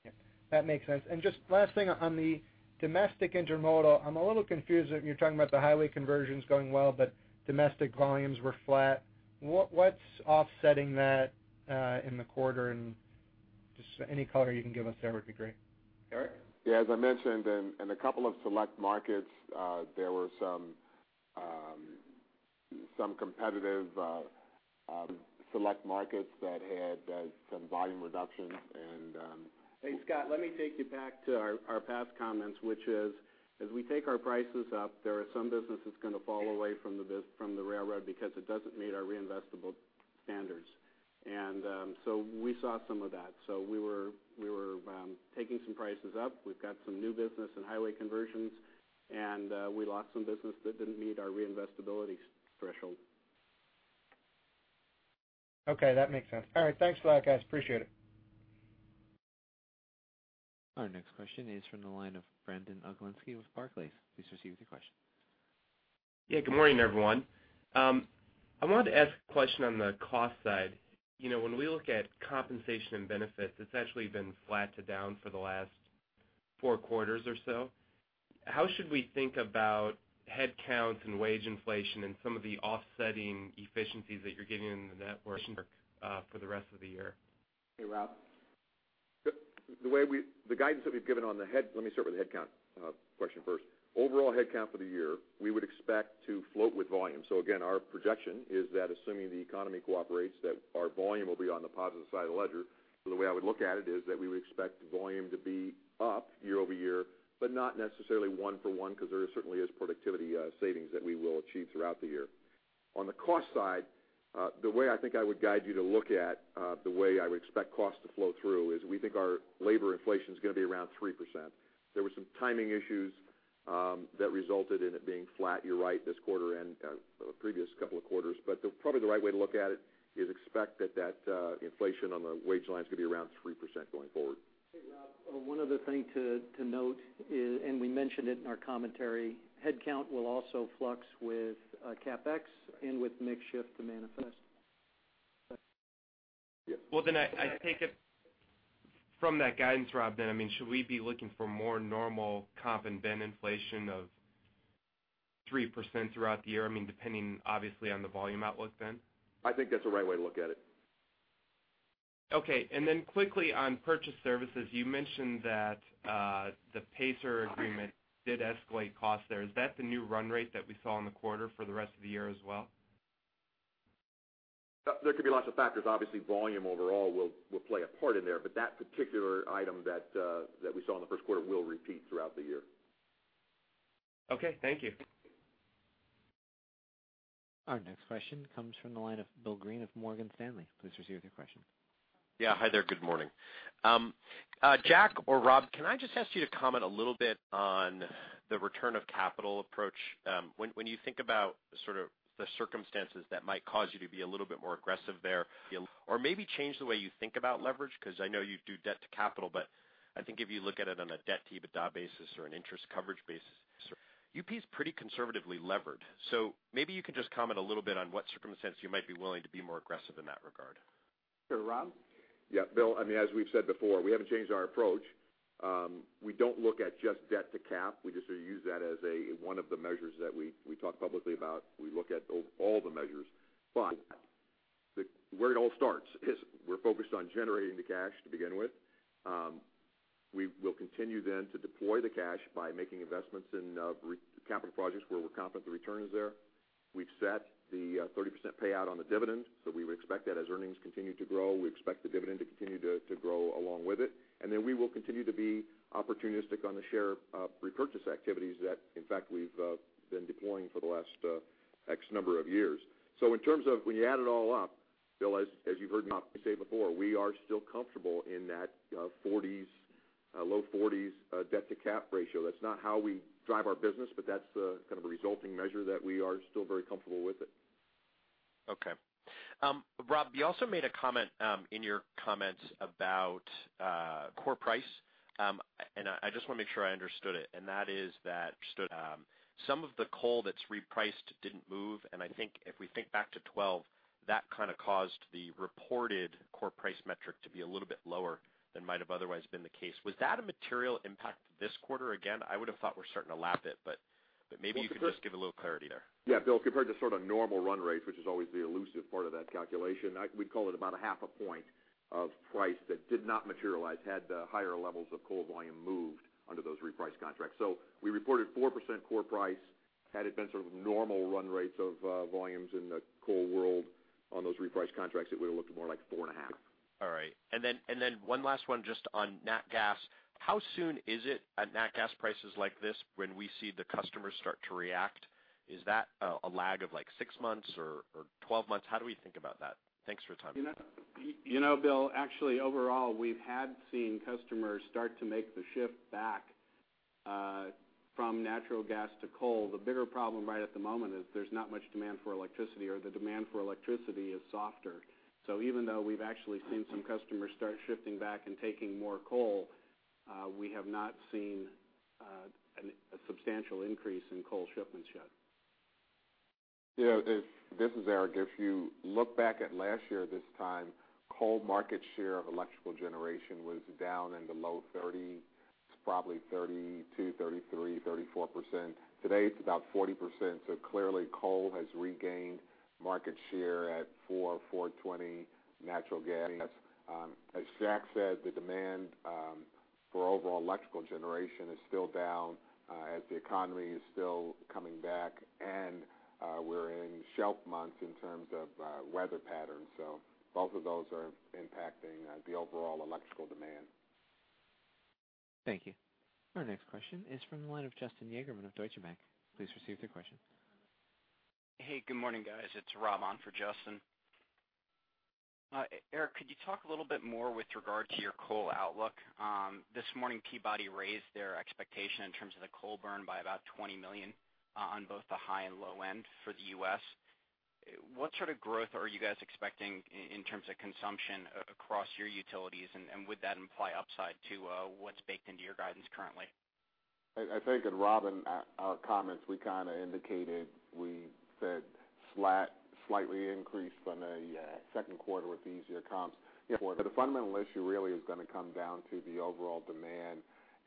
Yeah, that makes sense. And just last thing on the domestic intermodal. I'm a little confused, you're talking about the highway conversions going well, but domestic volumes were flat. What's offsetting that in the quarter? And just any color you can give us there would be great. Eric? Yeah, as I mentioned, in a couple of select markets, there were some competitive select markets that had some volume reductions and, Hey, Scott, let me take you back to our past comments, which is: as we take our prices up, there are some businesses going to fall away from the railroad because it doesn't meet our reinvestable standards. So we saw some of that. We were taking some prices up. We've got some new business and highway conversions, and we lost some business that didn't meet our reinvestibility threshold. Okay, that makes sense. All right, thanks a lot, guys. Appreciate it. Our next question is from the line of Brandon Oglenski with Barclays. Please proceed with your question. Yeah, good morning, everyone. I wanted to ask a question on the cost side. You know, when we look at compensation and benefits, it's actually been flat to down for the last four quarters or so. How should we think about headcount and wage inflation and some of the offsetting efficiencies that you're getting in the network, for the rest of the year? Hey, Rob. Let me start with the headcount question first. Overall headcount for the year, we would expect to float with volume. So again, our projection is that assuming the economy cooperates, that our volume will be on the positive side of the ledger. So the way I would look at it is that we would expect the volume to be up year-over-year, but not necessarily one for one, because there certainly is productivity savings that we will achieve throughout the year. On the cost side, the way I think I would guide you to look at, the way I would expect costs to flow through is we think our labor inflation is going to be around 3%. There were some timing issues-... That resulted in it being flat, you're right, this quarter and the previous couple of quarters. But probably the right way to look at it is expect that inflation on the wage line is gonna be around 3% going forward. Hey, Rob, one other thing to note is, and we mentioned it in our commentary, headcount will also flux with CapEx and with mix shift to manifest. Well, then I take it from that guidance, Rob, then, I mean, should we be looking for more normal comp and then inflation of 3% throughout the year? I mean, depending obviously on the volume outlook then? I think that's the right way to look at it. Okay. And then quickly on purchase services, you mentioned that, the Pacer agreement did escalate costs there. Is that the new run rate that we saw in the quarter for the rest of the year as well? There could be lots of factors. Obviously, volume overall will play a part in there, but that particular item that we saw in the first quarter will repeat throughout the year. Okay, thank you. Our next question comes from the line of Bill Greene of Morgan Stanley. Please receive your question. Yeah. Hi there, good morning. Jack or Rob, can I just ask you to comment a little bit on the return of capital approach? When you think about sort of the circumstances that might cause you to be a little bit more aggressive there, or maybe change the way you think about leverage, 'cause I know you do debt to capital, but I think if you look at it on a debt-to-EBITDA basis or an interest coverage basis, UP is pretty conservatively levered. So maybe you can just comment a little bit on what circumstances you might be willing to be more aggressive in that regard. Sure, Rob? Yeah, Bill, I mean, as we've said before, we haven't changed our approach. We don't look at just debt to cap. We just sort of use that as a one of the measures that we talk publicly about. We look at all the measures, but where it all starts is we're focused on generating the cash to begin with. We will continue then to deploy the cash by making investments in capital projects where we're confident the return is there. We've set the 30% payout on the dividend, so we would expect that as earnings continue to grow, we expect the dividend to continue to grow along with it. And then we will continue to be opportunistic on the share repurchase activities that, in fact, we've been deploying for the last X number of years. So in terms of when you add it all up, Bill, as you've heard me say before, we are still comfortable in that, forties, low forties, debt-to-cap ratio. That's not how we drive our business, but that's the kind of a resulting measure that we are still very comfortable with it. Okay. Rob, you also made a comment, in your comments about, core price. And I, I just want to make sure I understood it, and that is that, some of the coal that's repriced didn't move, and I think if we think back to 2012, that kind of caused the reported core price metric to be a little bit lower than might have otherwise been the case. Was that a material impact this quarter? Again, I would have thought we're starting to lap it, but, but maybe you could just give a little clarity there. Yeah, Bill, compared to sort of normal run rates, which is always the elusive part of that calculation, we'd call it about 0.5 point of price that did not materialize, had the higher levels of coal volume moved under those repriced contracts. So we reported 4% core price. Had it been sort of normal run rates of volumes in the coal world on those repriced contracts, it would have looked more like 4.5. All right. And then, and then one last one just on nat gas. How soon is it at nat gas prices like this, when we see the customers start to react? Is that a lag of, like, six months or, or 12 months? How do we think about that? Thanks for your time. You know, Bill, actually, overall, we've had seen customers start to make the shift back, from natural gas to coal. The bigger problem right at the moment is there's not much demand for electricity or the demand for electricity is softer. So even though we've actually seen some customers start shifting back and taking more coal, we have not seen a substantial increase in coal shipments yet. You know, this is Eric. If you look back at last year, this time, coal market share of electrical generation was down in the low 30, probably 32, 33, 34%. Today, it's about 40%, so clearly coal has regained market share at 4.42 natural gas. As Jack said, the demand for overall electrical generation is still down, as the economy is still coming back and, we're in shelf months in terms of, weather patterns. So both of those are impacting, the overall electrical demand. Thank you. Our next question is from the line of Justin Yagerman of Deutsche Bank. Please receive your question. Hey, good morning, guys. It's Rob on for Justin. Eric, could you talk a little bit more with regard to your coal outlook? This morning, Peabody raised their expectation in terms of the coal burn by about 20 million on both the high and low end for the US. What sort of growth are you guys expecting in terms of consumption across your utilities? And would that imply upside to what's baked into your guidance currently? I think in Rob's comments, we kind of indicated, we said slightly increased from a second quarter with easier comps. But the fundamental issue really is gonna come down to the overall demand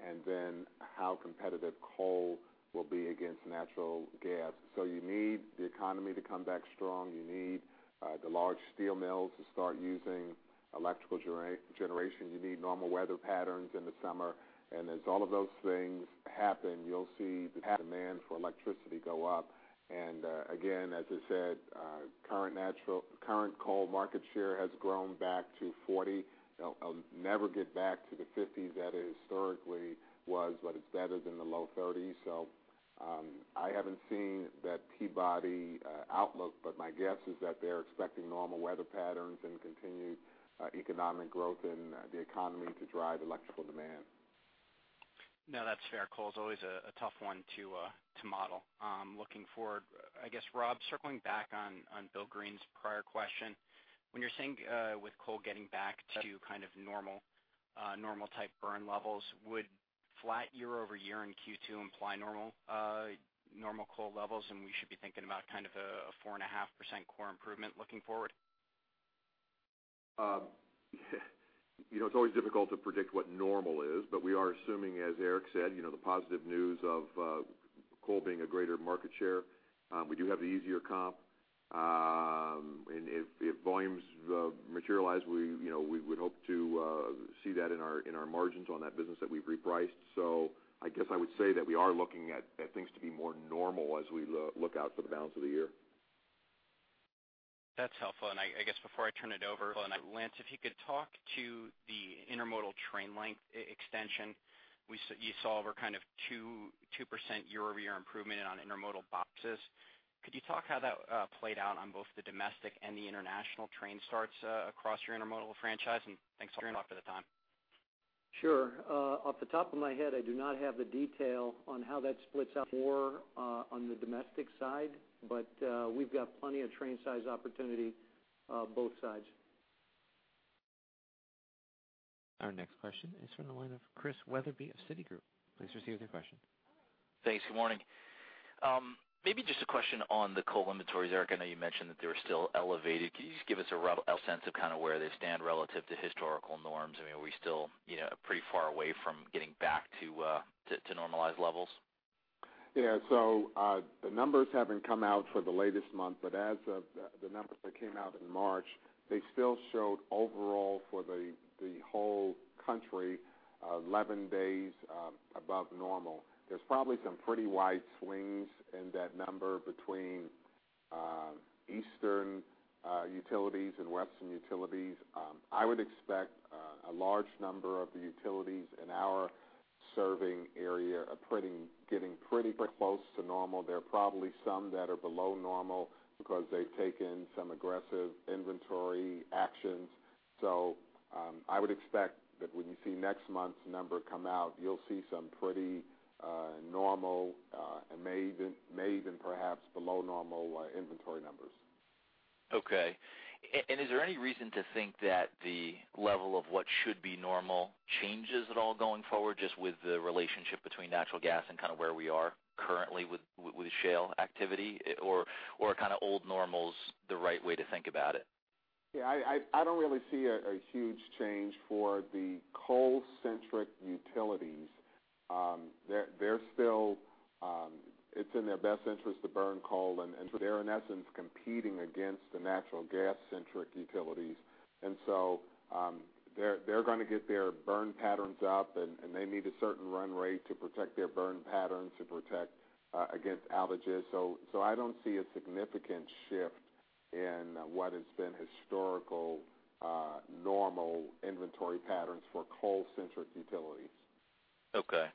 and then how competitive coal will be against natural gas. So you need the economy to come back strong, you need the large steel mills to start using electrical generation, you need normal weather patterns in the summer. And as all of those things happen, you'll see the demand for electricity go up. And again, as I said, current coal market share has grown back to 40. It'll never get back to the 50s. That historically was, but it's better than the low 30s. So... I haven't seen that Peabody outlook, but my guess is that they're expecting normal weather patterns and continued economic growth in the economy to drive electrical demand. No, that's fair. Coal is always a tough one to model. Looking forward, I guess, Rob, circling back on Bill Greene's prior question, when you're saying with coal getting back to kind of normal normal type burn levels, would flat year-over-year in Q2 imply normal normal coal levels, and we should be thinking about kind of a 4.5% core improvement looking forward? You know, it's always difficult to predict what normal is, but we are assuming, as Eric said, you know, the positive news of coal being a greater market share. We do have the easier comp. And if volumes materialize, we, you know, we would hope to see that in our, in our margins on that business that we've repriced. So I guess I would say that we are looking at things to be more normal as we look out for the balance of the year. That's helpful, and I guess before I turn it over, Lance, if you could talk to the intermodal train length extension. You saw over 2% year-over-year improvement on intermodal boxes. Could you talk how that played out on both the domestic and the international train starts across your intermodal franchise? And thanks for the time. Sure. Off the top of my head, I do not have the detail on how that splits out more on the domestic side, but we've got plenty of train size opportunity both sides. Our next question is from the line of Chris Wetherbee of Citigroup. Please proceed with your question. Thanks. Good morning. Maybe just a question on the coal inventories. Eric, I know you mentioned that they were still elevated. Can you just give us a rough sense of kind of where they stand relative to historical norms? I mean, are we still, you know, pretty far away from getting back to normalized levels? Yeah. So, the numbers haven't come out for the latest month, but as of the numbers that came out in March, they still showed overall for the whole country, 11 days above normal. There's probably some pretty wide swings in that number between eastern utilities and western utilities. I would expect a large number of the utilities in our serving area are getting pretty close to normal. There are probably some that are below normal because they've taken some aggressive inventory actions. So, I would expect that when you see next month's number come out, you'll see some pretty normal and may even perhaps below normal inventory numbers. Okay. And is there any reason to think that the level of what should be normal changes at all going forward, just with the relationship between natural gas and kind of where we are currently with the shale activity, or kind of old normal's the right way to think about it? Yeah, I don't really see a huge change for the coal-centric utilities. They're still... It's in their best interest to burn coal, and they're, in essence, competing against the natural gas-centric utilities. So, they're gonna get their burn patterns up, and they need a certain run rate to protect their burn patterns, to protect against outages. So, I don't see a significant shift in what has been historical normal inventory patterns for coal-centric utilities. Okay,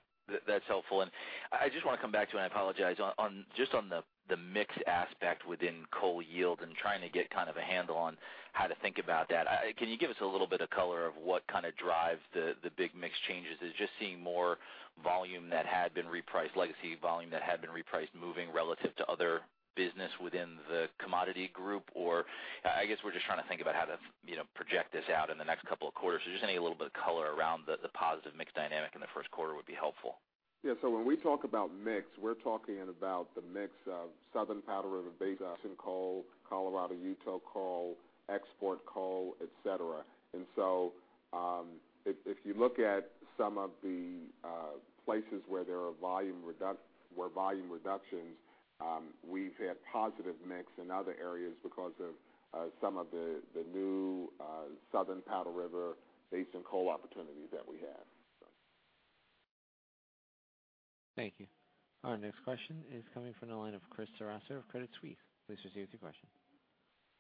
that's helpful. And I just wanna come back to, and I apologize, on just the mix aspect within coal yield and trying to get kind of a handle on how to think about that. Can you give us a little bit of color on what kind of drives the big mix changes? Is it just seeing more volume that had been repriced, legacy volume that had been repriced, moving relative to other business within the commodity group? Or I guess we're just trying to think about how to, you know, project this out in the next couple of quarters. So just any little bit of color around the positive mix dynamic in the first quarter would be helpful. Yeah, so when we talk about mix, we're talking about the mix of Southern Powder River Basin coal, Colorado, Utah coal, export coal, et cetera. And so, if you look at some of the places where there are volume reductions, we've had positive mix in other areas because of some of the new Southern Powder River Basin coal opportunities that we have. Thank you. Our next question is coming from the line of Chris Ceraso of Credit Suisse. Please proceed with your question.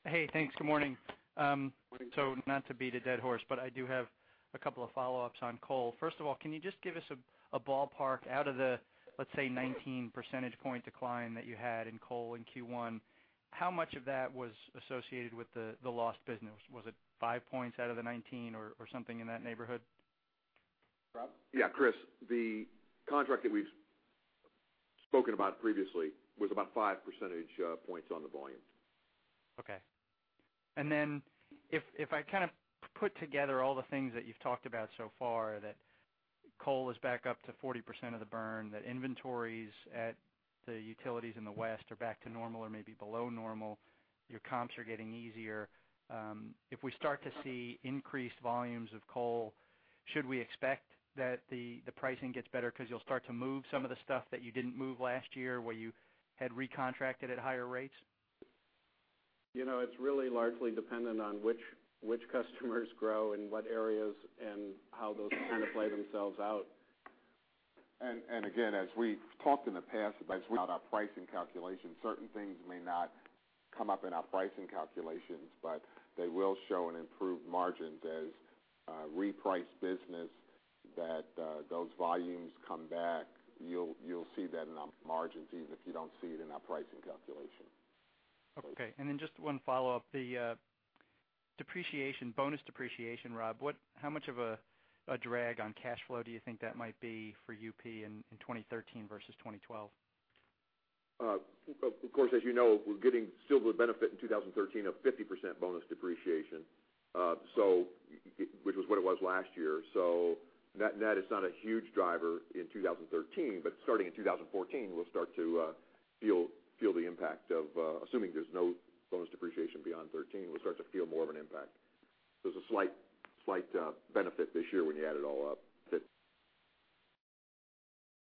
Hey, thanks. Good morning. So not to beat a dead horse, but I do have a couple of follow-ups on coal. First of all, can you just give us a ballpark out of the, let's say, 19 percentage point decline that you had in coal in Q1? How much of that was associated with the lost business? Was it 5 points out of the 19 or something in that neighborhood? Rob? Yeah, Chris. The contract that we've spoken about previously was about five percentage points on the volume. Okay. And then if I kind of put together all the things that you've talked about so far, that coal is back up to 40% of the burn, that inventories at the utilities in the West are back to normal or maybe below normal, your comps are getting easier. If we start to see increased volumes of coal, should we expect that the pricing gets better 'cause you'll start to move some of the stuff that you didn't move last year, where you had recontracted at higher rates? You know, it's really largely dependent on which customers grow, in what areas, and how those kind of play themselves out. And again, as we talked in the past about our pricing calculations, certain things may not-... come up in our pricing calculations, but they will show an improved margin as reprice business that those volumes come back. You'll, you'll see that in our margins, even if you don't see it in our pricing calculation. Okay. Then just one follow-up, the depreciation, bonus depreciation, Rob, how much of a drag on cash flow do you think that might be for UP in 2013 versus 2012? Of course, as you know, we're getting still the benefit in 2013 of 50% Bonus Depreciation. So, it, which was what it was last year. So that, that is not a huge driver in 2013, but starting in 2014, we'll start to feel the impact of, assuming there's no Bonus Depreciation beyond 2013, we'll start to feel more of an impact. There's a slight benefit this year when you add it all up that.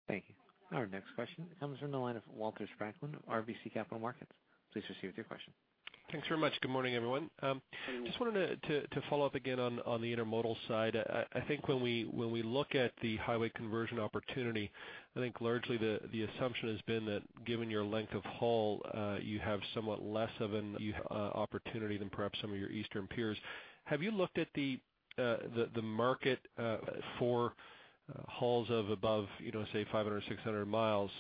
Thank you. Our next question comes from the line of Walter Spracklin, RBC Capital Markets. Please proceed with your question. Thanks very much. Good morning, everyone. Just wanted to follow up again on the intermodal side. I think when we look at the highway conversion opportunity, I think largely the assumption has been that given your length of haul, you have somewhat less of an opportunity than perhaps some of your Eastern peers. Have you looked at the market for hauls of above, you know, say, 500, 600 miles,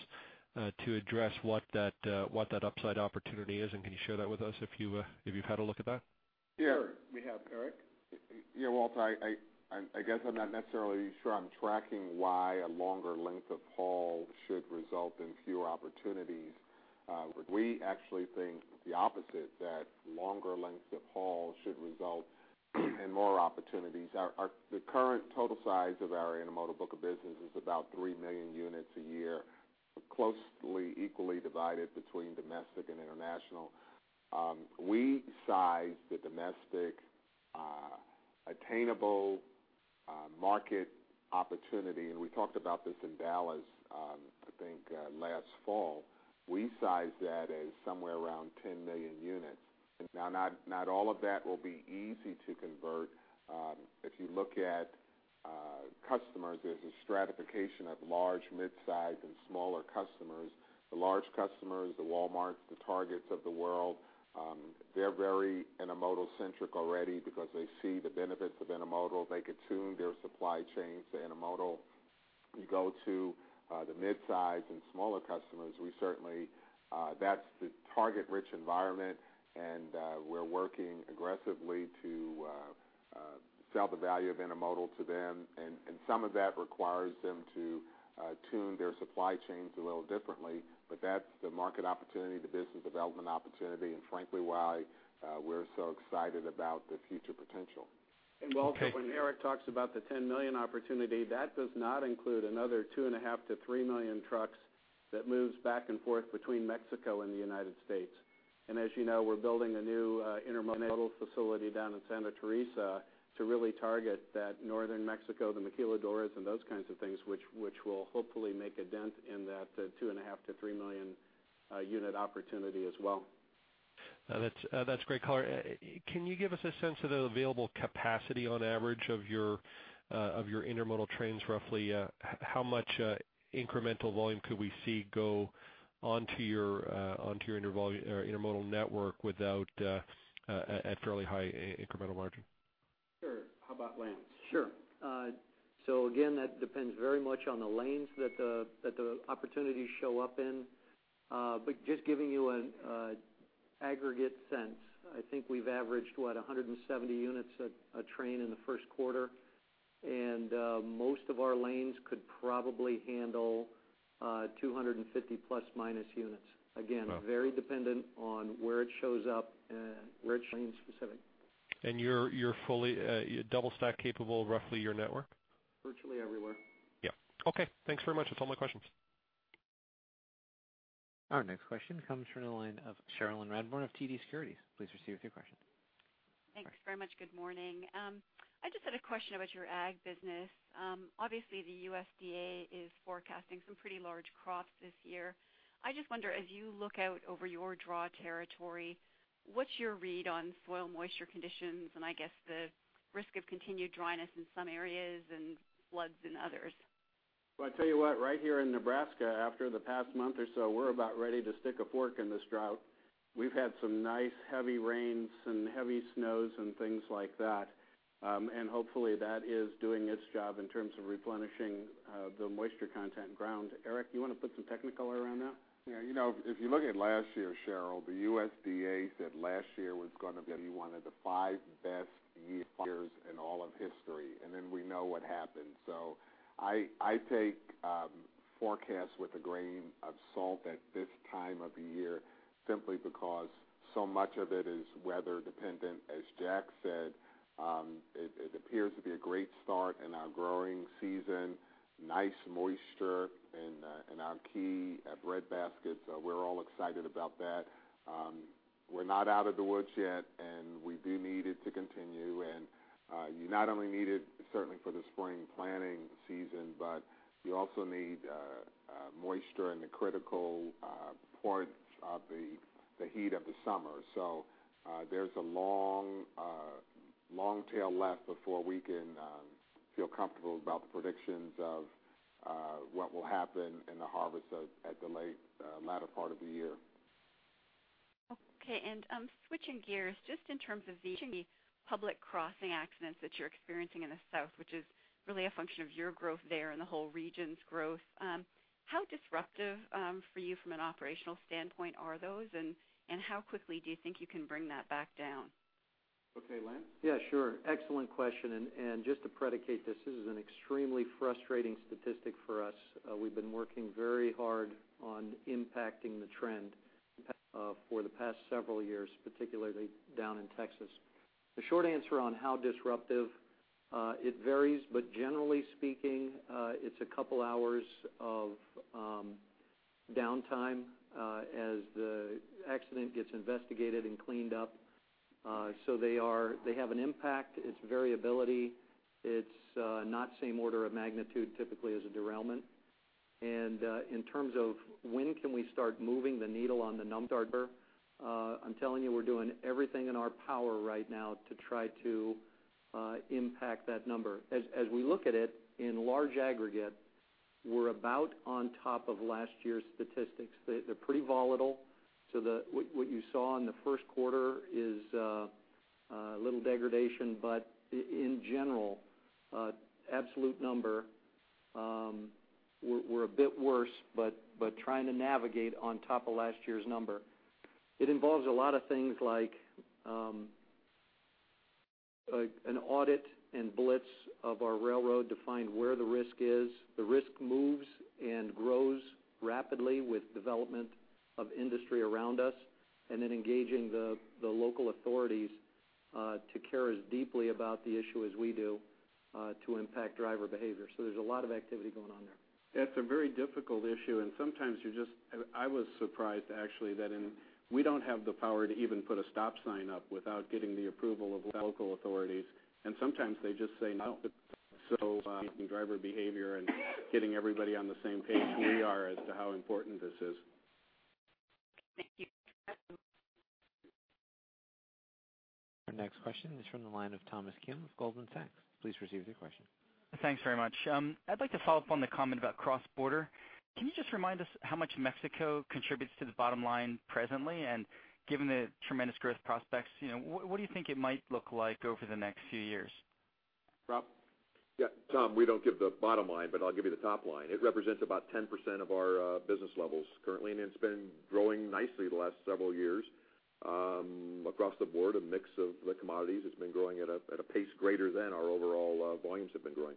to address what that upside opportunity is? And can you share that with us if you've had a look at that? Yeah, we have. Eric? Yeah, Walter, I guess I'm not necessarily sure I'm tracking why a longer length of haul should result in fewer opportunities. We actually think the opposite, that longer lengths of haul should result in more opportunities. Our current total size of our intermodal book of business is about 3 million units a year, closely equally divided between domestic and international. We size the domestic attainable market opportunity, and we talked about this in Dallas, I think last fall. We size that as somewhere around 10 million units. Now, not all of that will be easy to convert. If you look at customers, there's a stratification of large, mid-size, and smaller customers. The large customers, the Walmarts, the Targets of the world, they're very intermodal-centric already because they see the benefits of intermodal. They can tune their supply chains to intermodal. You go to the mid-size and smaller customers, we certainly, that's the target-rich environment, and we're working aggressively to sell the value of intermodal to them, and some of that requires them to tune their supply chains a little differently. But that's the market opportunity, the business development opportunity, and frankly, why we're so excited about the future potential. Okay. Walter, when Eric talks about the 10 million opportunity, that does not include another 2.5 million-3 million trucks that moves back and forth between Mexico and the United States. As you know, we're building a new intermodal facility down in Santa Teresa to really target that northern Mexico, the maquiladoras, and those kinds of things, which will hopefully make a dent in that 2.5 million-3 million unit opportunity as well. That's great color. Can you give us a sense of the available capacity on average of your intermodal trains? Roughly, how much incremental volume could we see go onto your intermodal network without at fairly high incremental margin? Sure. How about Lance? Sure. So again, that depends very much on the lanes that the, that the opportunities show up in. But just giving you an aggregate sense, I think we've averaged, what? 170 units a train in the first quarter, and most of our lanes could probably handle 250± units. Wow. Again, very dependent on where it shows up, very lane-specific. You're fully double stack capable, roughly your network? Virtually everywhere. Yeah. Okay, thanks very much. That's all my questions. Our next question comes from the line of Cherilyn Radbourne of TD Securities. Please proceed with your question. Thanks very much. Good morning. I just had a question about your ag business. Obviously, the USDA is forecasting some pretty large crops this year. I just wonder, as you look out over your draw territory, what's your read on soil moisture conditions, and I guess, the risk of continued dryness in some areas and floods in others? Well, I tell you what, right here in Nebraska, after the past month or so, we're about ready to stick a fork in this drought. We've had some nice, heavy rains and heavy snows and things like that. And hopefully, that is doing its job in terms of replenishing the moisture content in ground. Eric, you want to put some technical around that? Yeah. You know, if you look at last year, Cherilyn, the USDA said last year was gonna be one of the five best years in all of history, and then we know what happened. So I take forecasts with a grain of salt at this time of the year, simply because so much of it is weather dependent. As Jack said, it appears to be a great start in our growing season, nice moisture in our key breadbasket, so we're all excited about that. We're not out of the woods yet, and we do need it to continue. And you not only need it certainly for the spring planting season, but you also need moisture in the critical part of the heat of the summer. There's a long, long tail left before we can feel comfortable about the predictions of-... what will happen in the harvests of at the late, latter part of the year. Okay. And, switching gears, just in terms of the public crossing accidents that you're experiencing in the south, which is really a function of your growth there and the whole region's growth, how disruptive, for you from an operational standpoint are those? And how quickly do you think you can bring that back down? Okay, Lance? Yeah, sure. Excellent question, and just to preface this, this is an extremely frustrating statistic for us. We've been working very hard on impacting the trend for the past several years, particularly down in Texas. The short answer on how disruptive it varies, but generally speaking, it's a couple hours of downtime as the accident gets investigated and cleaned up. So they are. They have an impact. It's variability. It's not same order of magnitude, typically, as a derailment. And in terms of when can we start moving the needle on the number, I'm telling you, we're doing everything in our power right now to try to impact that number. As we look at it, in large aggregate, we're about on top of last year's statistics. They're pretty volatile, so the... What you saw in the first quarter is a little degradation, but in general absolute number, we're a bit worse, but trying to navigate on top of last year's number. It involves a lot of things like an audit and blitz of our railroad to find where the risk is. The risk moves and grows rapidly with development of industry around us, and then engaging the local authorities to care as deeply about the issue as we do to impact driver behavior. So there's a lot of activity going on there. That's a very difficult issue, and sometimes you're just, I was surprised, actually, that... We don't have the power to even put a stop sign up without getting the approval of the local authorities, and sometimes they just say, "No." So, driver behavior and getting everybody on the same page we are as to how important this is. Thank you. Our next question is from the line of Thomas Kim of Goldman Sachs. Please proceed with your question. Thanks very much. I'd like to follow up on the comment about cross-border. Can you just remind us how much Mexico contributes to the bottom line presently? And given the tremendous growth prospects, you know, what do you think it might look like over the next few years? Rob? Yeah, Tom, we don't give the bottom line, but I'll give you the top line. It represents about 10% of our business levels currently, and it's been growing nicely the last several years. Across the board, a mix of the commodities has been growing at a pace greater than our overall volumes have been growing.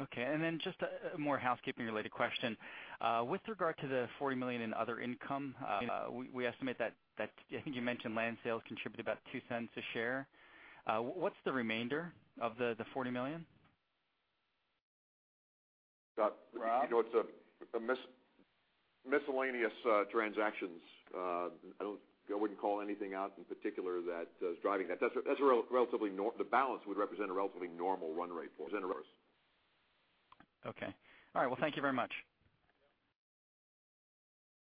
Okay. And then just a more housekeeping-related question. With regard to the $40 million in other income, we estimate that, I think you mentioned land sales contributed about $0.02 a share. What's the remainder of the $40 million? You know, it's miscellaneous transactions. I wouldn't call anything out in particular that is driving that. That's a relatively normal; the balance would represent a relatively normal run rate for us. Okay. All right, well, thank you very much.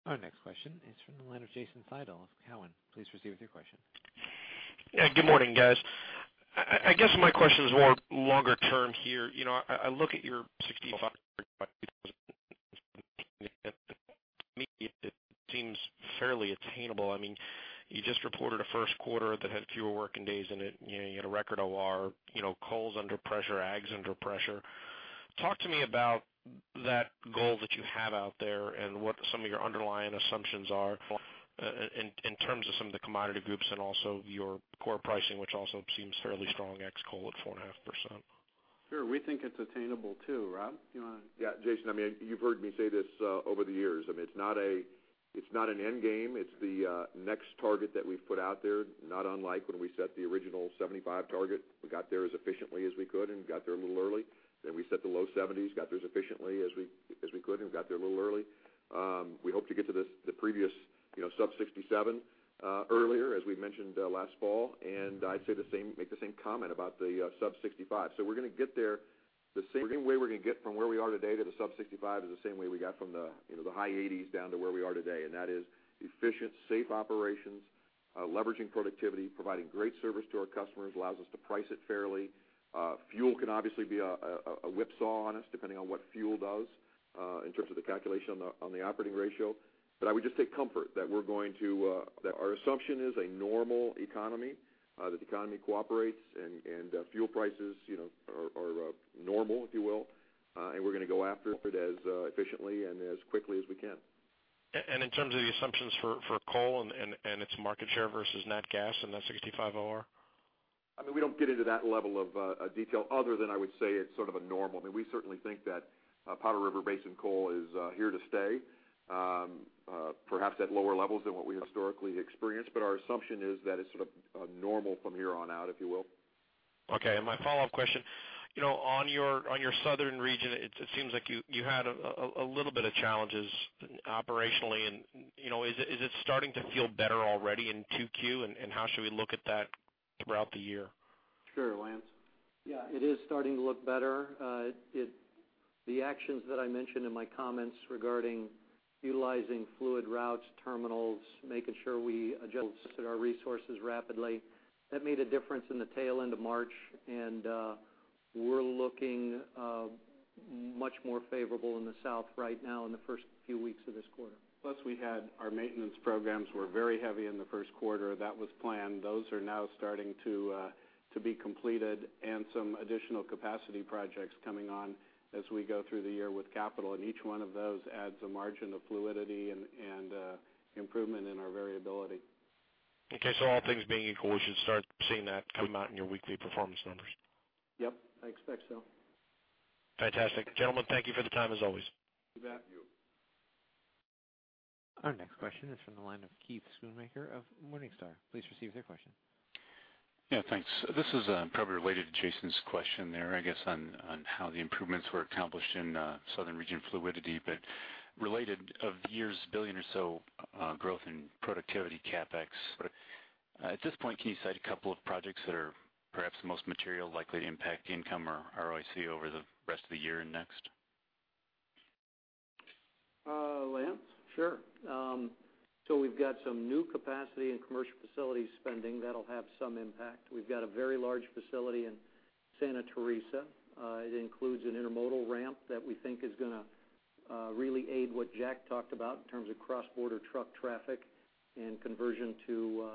Our next question is from the line of Jason Seidl of Cowen. Please proceed with your question. Yeah, good morning, guys. I guess my question is more longer term here. You know, I look at your 65. It seems fairly attainable. I mean, you just reported a first quarter that had fewer working days in it. You know, you had a record OR. You know, coal's under pressure, ag's under pressure. Talk to me about that goal that you have out there and what some of your underlying assumptions are for, in terms of some of the commodity groups and also your core pricing, which also seems fairly strong, ex coal at 4.5%. Sure, we think it's attainable, too. Rob, do you want to? Yeah, Jason, I mean, you've heard me say this over the years. I mean, it's not a, it's not an end game. It's the next target that we've put out there, not unlike when we set the original 75 target. We got there as efficiently as we could and got there a little early. Then we set the low 70s, got there as efficiently as we could, and got there a little early. We hope to get to this, the previous, you know, sub-67 earlier, as we mentioned last fall, and I'd say the same, make the same comment about the sub-65. So we're gonna get there the same way we're gonna get from where we are today to the sub-65 is the same way we got from the, you know, the high 80s down to where we are today, and that is efficient, safe operations, leveraging productivity, providing great service to our customers allows us to price it fairly. Fuel can obviously be a whipsaw on us, depending on what fuel does, in terms of the calculation on the operating ratio. But I would just take comfort that we're going to, that our assumption is a normal economy, that the economy cooperates and fuel prices, you know, are normal, if you will, and we're gonna go after it as efficiently and as quickly as we can. And in terms of the assumptions for coal and its market share versus nat gas in that 65 OR? I mean, we don't get into that level of detail, other than I would say it's sort of a normal. I mean, we certainly think that Powder River Basin coal is here to stay, perhaps at lower levels than what we historically experienced, but our assumption is that it's sort of normal from here on out, if you will. Okay. And my follow-up question: You know, on your southern region, it seems like you had a little bit of challenges operationally, and, you know, is it starting to feel better already in Q2, and how should we look at that throughout the year? Sure, Lance? Yeah, it is starting to look better. The actions that I mentioned in my comments regarding utilizing fluid routes, terminals, making sure we adjusted our resources rapidly, that made a difference in the tail end of March, and we're looking much more favorable in the South right now in the first few weeks of this quarter. Plus, we had our maintenance programs were very heavy in the first quarter. That was planned. Those are now starting to, to be completed, and some additional capacity projects coming on as we go through the year with capital, and each one of those adds a margin of fluidity and, and, improvement in our variability. Okay. So all things being equal, we should start seeing that come out in your weekly performance numbers? Yep, I expect so. Fantastic. Gentlemen, thank you for the time, as always. You bet, you. Our next question is from the line of Keith Schoonmaker of Morningstar. Please proceed with your question. Yeah, thanks. This is probably related to Jason's question there, I guess, on how the improvements were accomplished in Southern region fluidity. But related, of the year's $1 billion or so growth in productivity CapEx, at this point, can you cite a couple of projects that are perhaps the most material likely to impact income or ROIC over the rest of the year and next? Uh, Lance? Sure. So we've got some new capacity in commercial facility spending that'll have some impact. We've got a very large facility in Santa Teresa. It includes an intermodal ramp that we think is gonna really aid what Jack talked about in terms of cross-border truck traffic and conversion to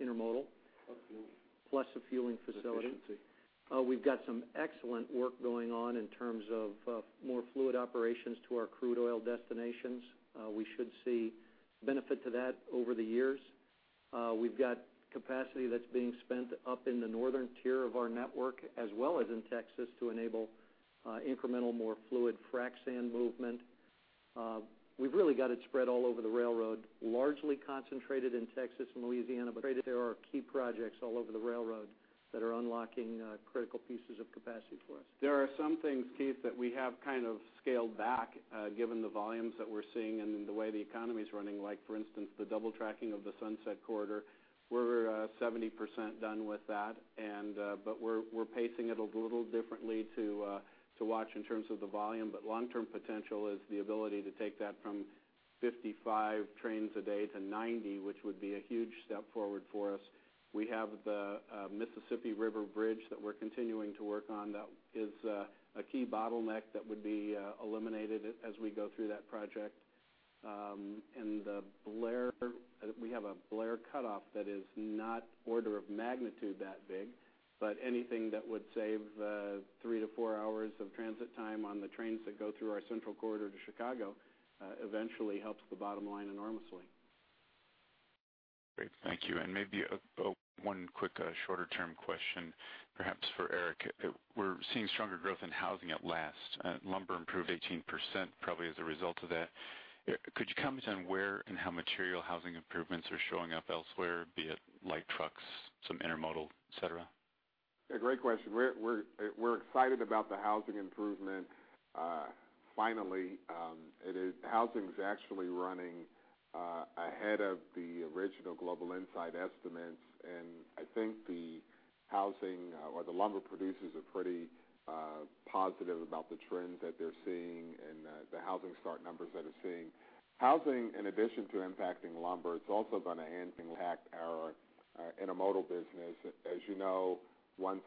intermodal. Plus, fueling. Plus, a fueling facility. Efficiency. We've got some excellent work going on in terms of more fluid operations to our crude oil destinations. We should see benefit to that over the years. We've got capacity that's being spent up in the northern tier of our network, as well as in Texas, to enable incremental, more fluid frack sand movement. We've really got it spread all over the railroad, largely concentrated in Texas and Louisiana, but there are key projects all over the railroad that are unlocking critical pieces of capacity for us. There are some things, Keith, that we have kind of scaled back, given the volumes that we're seeing and the way the economy is running, like, for instance, the double tracking of the Sunset Corridor. We're 70% done with that, and but we're pacing it a little differently to watch in terms of the volume, but long-term potential is the ability to take that from 55 trains a day to 90, which would be a huge step forward for us. We have the Mississippi River Bridge that we're continuing to work on. That is a key bottleneck that would be eliminated as we go through that project. And the Blair, we have a Blair Cutoff that is not order of magnitude that big, but anything that would save 3 hours-4 hours of transit time on the trains that go through our central corridor to Chicago, eventually helps the bottom line enormously. Great. Thank you. And maybe a quick shorter term question, perhaps for Eric. We're seeing stronger growth in housing at last. Lumber improved 18%, probably as a result of that. Could you comment on where and how material housing improvements are showing up elsewhere, be it light trucks, some intermodal, et cetera? Yeah, great question. We're excited about the housing improvement, finally. Housing is actually running ahead of the original Global Insight estimates, and I think the housing, or the lumber producers are pretty positive about the trends that they're seeing and, the housing start numbers that they're seeing. Housing, in addition to impacting lumber, it's also gonna impact our intermodal business. As you know, once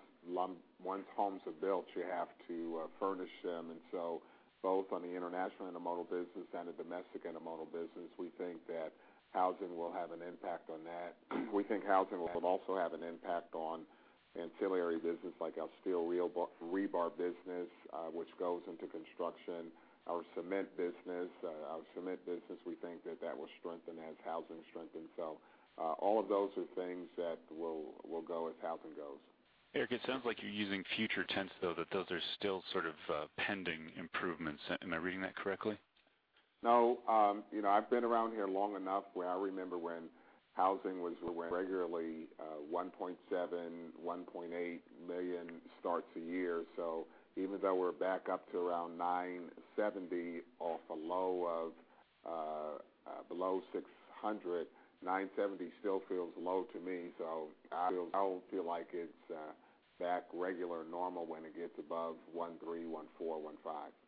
homes are built, you have to furnish them. And so both on the international intermodal business and the domestic intermodal business, we think that housing will have an impact on that. We think housing will also have an impact on ancillary business, like our steel wheel, rebar business, which goes into construction, our cement business. Our cement business, we think that that will strengthen as housing strengthens. So, all of those are things that will go as housing goes. Eric, it sounds like you're using future tense, though, that those are still sort of pending improvements. Am I reading that correctly? No, you know, I've been around here long enough where I remember when housing was regularly 1.7 million-1.8 million starts a year. So even though we're back up to around 970 off a low of below 600, 970 still feels low to me, so I feel like it's back regular normal when it gets above 1.3, 1.4, 1.5.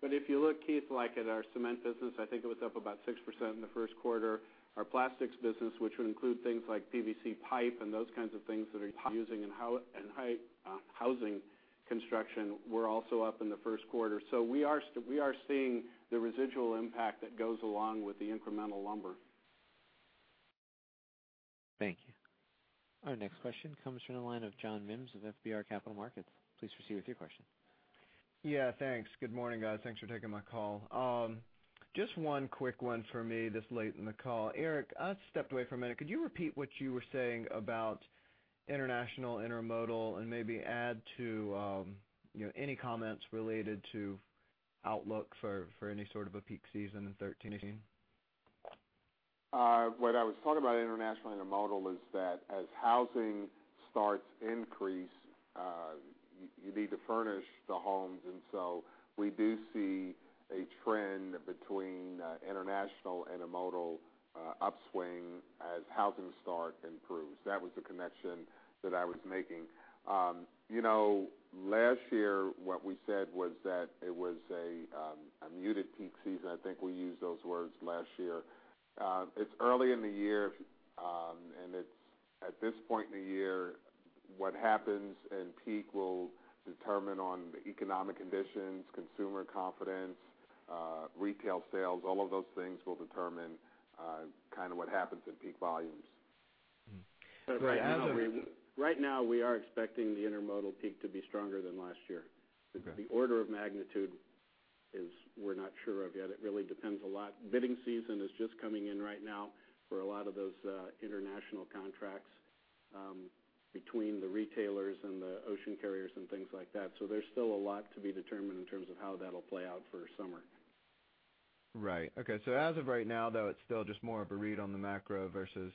But if you look, Keith, like at our cement business, I think it was up about 6% in the first quarter. Our plastics business, which would include things like PVC pipe and those kinds of things that are using in housing construction, were also up in the first quarter. So we are seeing the residual impact that goes along with the incremental lumber. Thank you. Our next question comes from the line of John Mims of FBR Capital Markets. Please proceed with your question. Yeah, thanks. Good morning, guys. Thanks for taking my call. Just one quick one for me this late in the call. Eric, I stepped away for a minute. Could you repeat what you were saying about international intermodal and maybe add to, you know, any comments related to outlook for any sort of a peak season in 2013 or 2018? What I was talking about international intermodal is that as housing starts to increase, you, you need to furnish the homes, and so we do see a trend between international intermodal upswing as housing start improves. That was the connection that I was making. You know, last year, what we said was that it was a muted peak season. I think we used those words last year. It's early in the year, and it's, at this point in the year, what happens in peak will determine on the economic conditions, consumer confidence, retail sales, all of those things will determine kind of what happens in peak volumes. Mm-hmm. But right now, we are expecting the intermodal peak to be stronger than last year. Okay. The order of magnitude is, we're not sure of yet. It really depends a lot. Bidding season is just coming in right now for a lot of those international contracts between the retailers and the ocean carriers and things like that. So there's still a lot to be determined in terms of how that'll play out for summer. Right. Okay, so as of right now, though, it's still just more of a read on the macro versus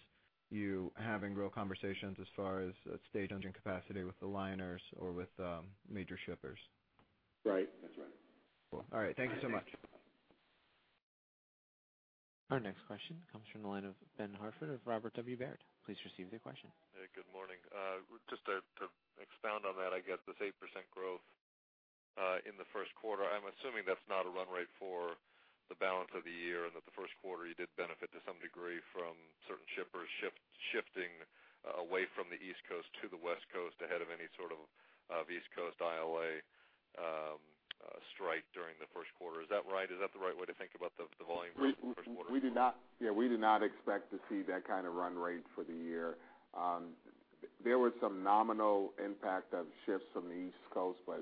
you having real conversations as far as stage engine capacity with the liners or with, major shippers? Right. That's right. Cool. All right. Thank you so much. Our next question comes from the line of Ben Hartford of Robert W. Baird. Please receive your question. Hey, good morning. Just to expound on that, I guess this 8% growth in the first quarter, I'm assuming that's not a run rate for the balance of the year, and that the first quarter, you did benefit to some degree from certain shippers shifting away from the East Coast to the West Coast, ahead of any sort of East Coast ILA strike during the first quarter. Is that right? Is that the right way to think about the volume growth in the first quarter? Yeah, we do not expect to see that kind of run rate for the year. There was some nominal impact of shifts from the East Coast, but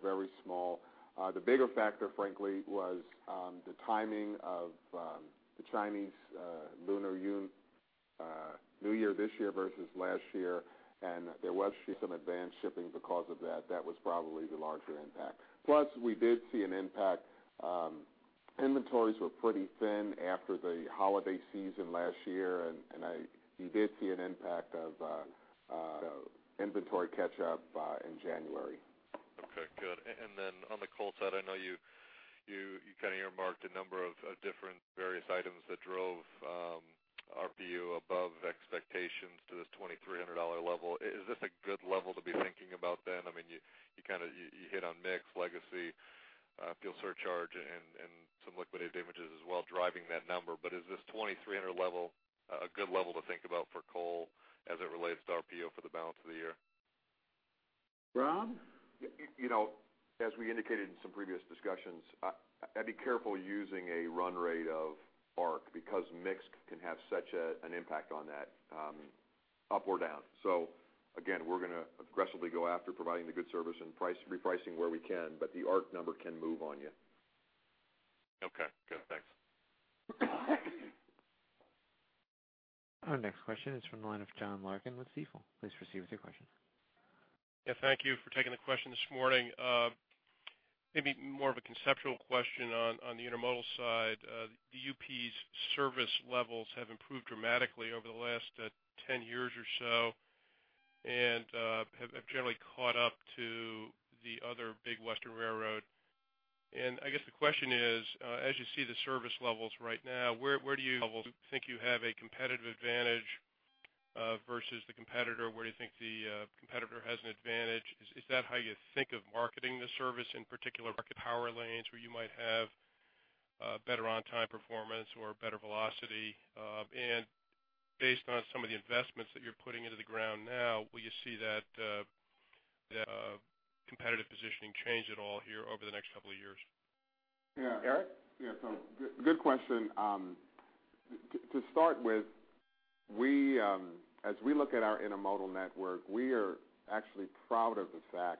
very small. The bigger factor, frankly, was the timing of the Chinese Lunar New Year this year versus last year, and there was actually some advanced shipping because of that. That was probably the larger impact. Plus, we did see an impact, inventories were pretty thin after the holiday season last year, and we did see an impact of inventory catch up in January. Okay, good. And then on the coal side, I know you kind of earmarked a number of different various items that drove RPU above expectations to this $2,300 level. Is this a good level to be thinking about then? I mean, you kind of hit on mix, legacy, fuel surcharge and some liquidated damages as well, driving that number. But is this $2,300 level a good level to think about for coal as it relates to RPU for the balance of the year? Rob? You know, as we indicated in some previous discussions, I'd be careful using a run rate of ARC, because mix can have such an impact on that, up or down. So again, we're gonna aggressively go after providing the good service and price repricing where we can, but the ARC number can move on you. Okay, good. Thanks. Our next question is from the line of John Larkin with Stifel. Please proceed with your question. Yeah, thank you for taking the question this morning. Maybe more of a conceptual question on the intermodal side. The UP's service levels have improved dramatically over the last 10 years or so, and have generally caught up to the other big western railroad. And I guess the question is, as you see the service levels right now, where do you think you have a competitive advantage versus the competitor? Where do you think the competitor has an advantage? Is that how you think of marketing the service, in particular, market power lanes, where you might have better on-time performance or better velocity? And based on some of the investments that you're putting into the ground now, will you see that competitive positioning change at all here over the next couple of years? Yeah. Eric? Yeah, so good, good question. To start with, we, as we look at our intermodal network, we are actually proud of the fact,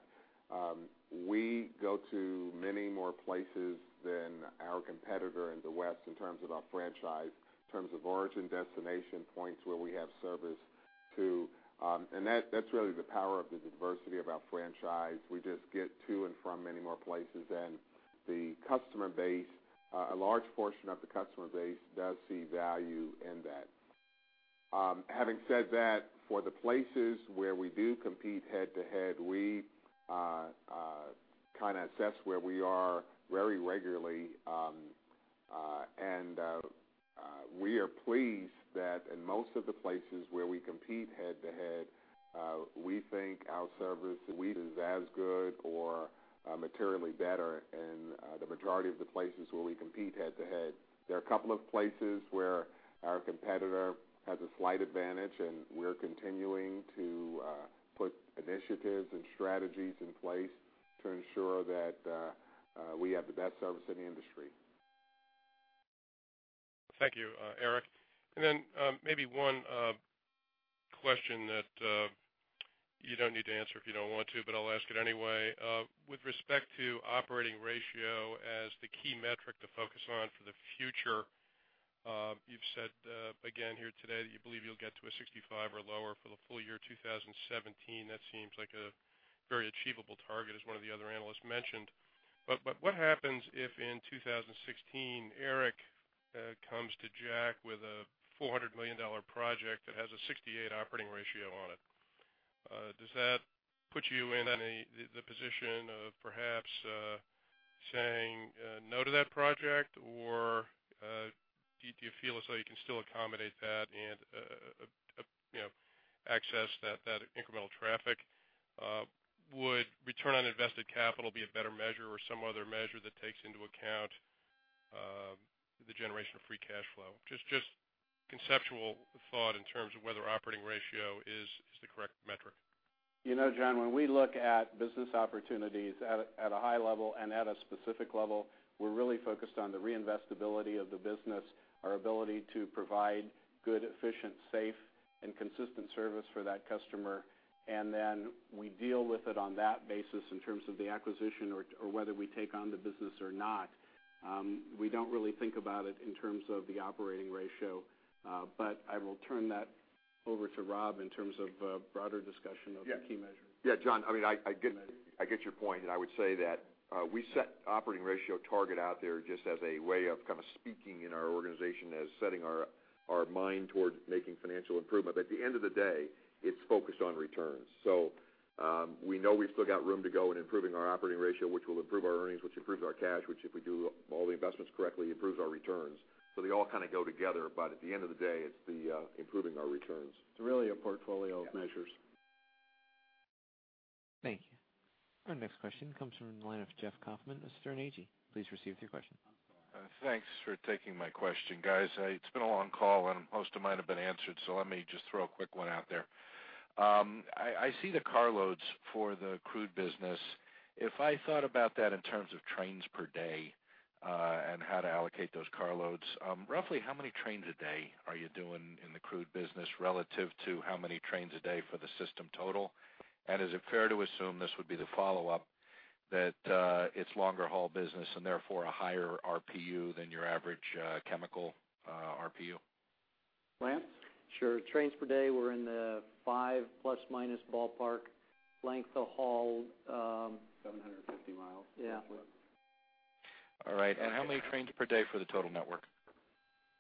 we go to many more places than our competitor in the West in terms of our franchise, in terms of origin, destination, points where we have service to. And that's really the power of the diversity of our franchise. We just get to and from many more places than the customer base. A large portion of the customer base does see value in that. Having said that, for the places where we do compete head-to-head, we kind of assess where we are very regularly. We are pleased that in most of the places where we compete head-to-head, we think our service is as good or materially better in the majority of the places where we compete head-to-head. There are a couple of places where our competitor has a slight advantage, and we're continuing to put initiatives and strategies in place to ensure that we have the best service in the industry. Thank you, Eric. Then, maybe one question that you don't need to answer if you don't want to, but I'll ask it anyway. With respect to operating ratio as the key metric to focus on for the future, you've said, again, here today, that you believe you'll get to a 65 or lower for the full year 2017. That seems like a very achievable target, as one of the other analysts mentioned. But what happens if in 2016, Eric, comes to Jack with a $400 million project that has a 68 operating ratio on it? Does that put you in any position of-... saying, no to that project? Or, do you feel as though you can still accommodate that and, you know, access that incremental traffic, would return on invested capital be a better measure or some other measure that takes into account, the generation of free cash flow? Just conceptual thought in terms of whether operating ratio is the correct metric. You know, John, when we look at business opportunities at a high level and at a specific level, we're really focused on the reinvestibility of the business, our ability to provide good, efficient, safe, and consistent service for that customer. And then we deal with it on that basis in terms of the acquisition or whether we take on the business or not. We don't really think about it in terms of the operating ratio, but I will turn that over to Rob in terms of a broader discussion of- Yeah. The key measure. Yeah, John, I mean, I get your point, and I would say that we set operating ratio target out there just as a way of kind of speaking in our organization as setting our mind towards making financial improvement. At the end of the day, it's focused on returns. So, we know we've still got room to go in improving our operating ratio, which will improve our earnings, which improves our cash, which, if we do all the investments correctly, improves our returns. So they all kind of go together, but at the end of the day, it's the improving our returns. It's really a portfolio of measures. Yeah. Thank you. Our next question comes from the line of Jeff Kauffman of Sterne Agee. Please receive your question. Thanks for taking my question, guys. It's been a long call, and most of mine have been answered, so let me just throw a quick one out there. I see the car loads for the crude business. If I thought about that in terms of trains per day, and how to allocate those car loads, roughly how many trains a day are you doing in the crude business relative to how many trains a day for the system total? And is it fair to assume, this would be the follow-up, that it's longer haul business and therefore a higher RPU than your average, chemical, RPU? Lance? Sure. Trains per day, we're in the 5± ballpark. Length of haul, 750 miles. Yeah. All right. And how many trains per day for the total network?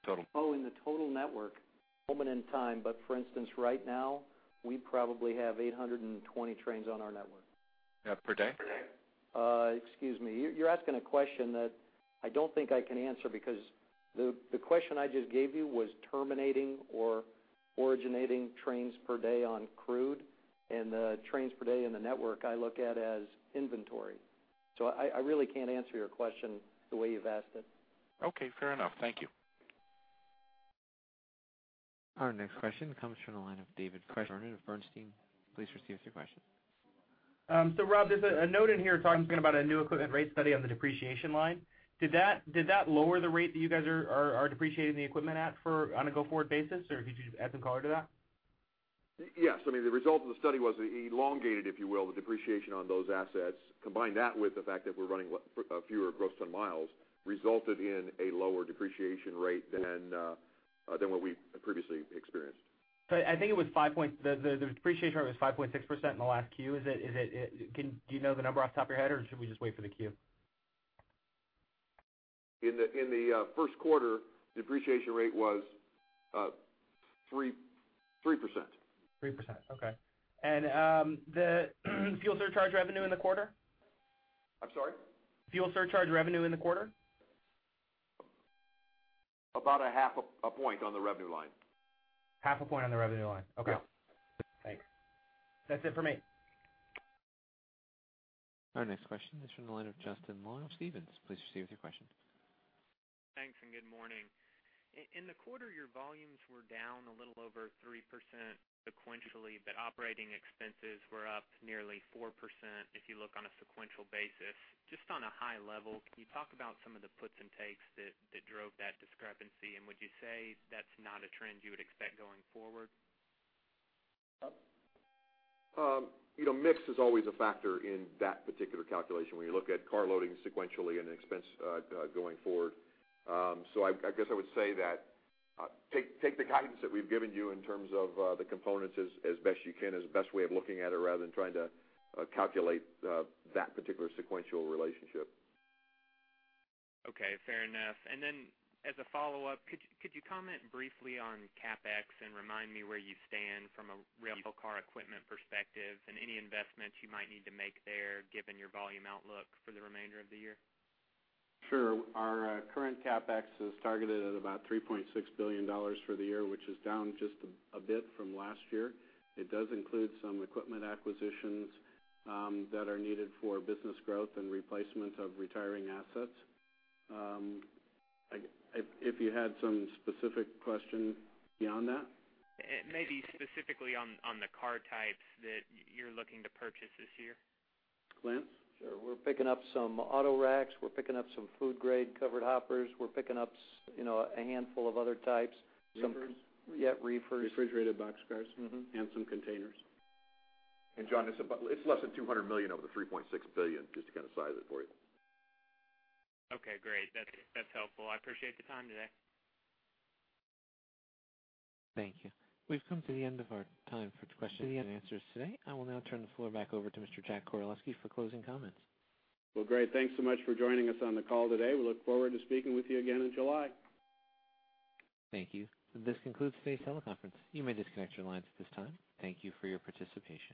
Total. Oh, in the total network, moment in time, but for instance, right now, we probably have 820 trains on our network. Per day? Excuse me. You're asking a question that I don't think I can answer because the question I just gave you was terminating or originating trains per day on crude, and the trains per day in the network, I look at as inventory. So I really can't answer your question the way you've asked it. Okay, fair enough. Thank you. Our next question comes from the line of David Vernon of Bernstein. Please receive your question. So Rob, there's a note in here talking about a new equipment rate study on the depreciation line. Did that lower the rate that you guys are depreciating the equipment at on a go-forward basis, or could you add some color to that? Yes. I mean, the result of the study was it elongated, if you will, the depreciation on those assets. Combine that with the fact that we're running fewer gross ton miles, resulted in a lower depreciation rate than, than what we've previously experienced. So I think the depreciation rate was 5.6% in the last Q. Do you know the number off the top of your head, or should we just wait for the Q? In the first quarter, depreciation rate was 3%. 3%, okay. And, the fuel surcharge revenue in the quarter? I'm sorry? Fuel surcharge revenue in the quarter. About half a point on the revenue line. 0.5 point on the revenue line. Yeah. Okay. Thanks. That's it for me. Our next question is from the line of Justin Long of Stephens. Please proceed with your question. Thanks, and good morning. In the quarter, your volumes were down a little over 3% sequentially, but operating expenses were up nearly 4% if you look on a sequential basis. Just on a high level, can you talk about some of the puts and takes that drove that discrepancy? And would you say that's not a trend you would expect going forward? You know, mix is always a factor in that particular calculation when you look at car loading sequentially and expense going forward. So I guess I would say that take the guidance that we've given you in terms of the components as best you can, as the best way of looking at it, rather than trying to calculate that particular sequential relationship. Okay, fair enough. And then, as a follow-up, could you, could you comment briefly on CapEx and remind me where you stand from a rail car equipment perspective and any investments you might need to make there, given your volume outlook for the remainder of the year? Sure. Our current CapEx is targeted at about $3.6 billion for the year, which is down just a bit from last year. It does include some equipment acquisitions that are needed for business growth and replacement of retiring assets. If you had some specific question beyond that? Maybe specifically on the car types that you're looking to purchase this year. Lance? Sure. We're picking up some auto racks. We're picking up some food-grade covered hoppers. We're picking up you know, a handful of other types. Reefers. Yeah, reefers. Refrigerated box cars- Mm-hmm. and some containers. John, it's less than $200 million of the $3.6 billion, just to kind of size it for you. Okay, great. That's, that's helpful. I appreciate the time today. Thank you. We've come to the end of our time for questions and answers today. I will now turn the floor back over to Mr. Jack Koraleski for closing comments. Well, great. Thanks so much for joining us on the call today. We look forward to speaking with you again in July. Thank you. This concludes today's teleconference. You may disconnect your lines at this time. Thank you for your participation.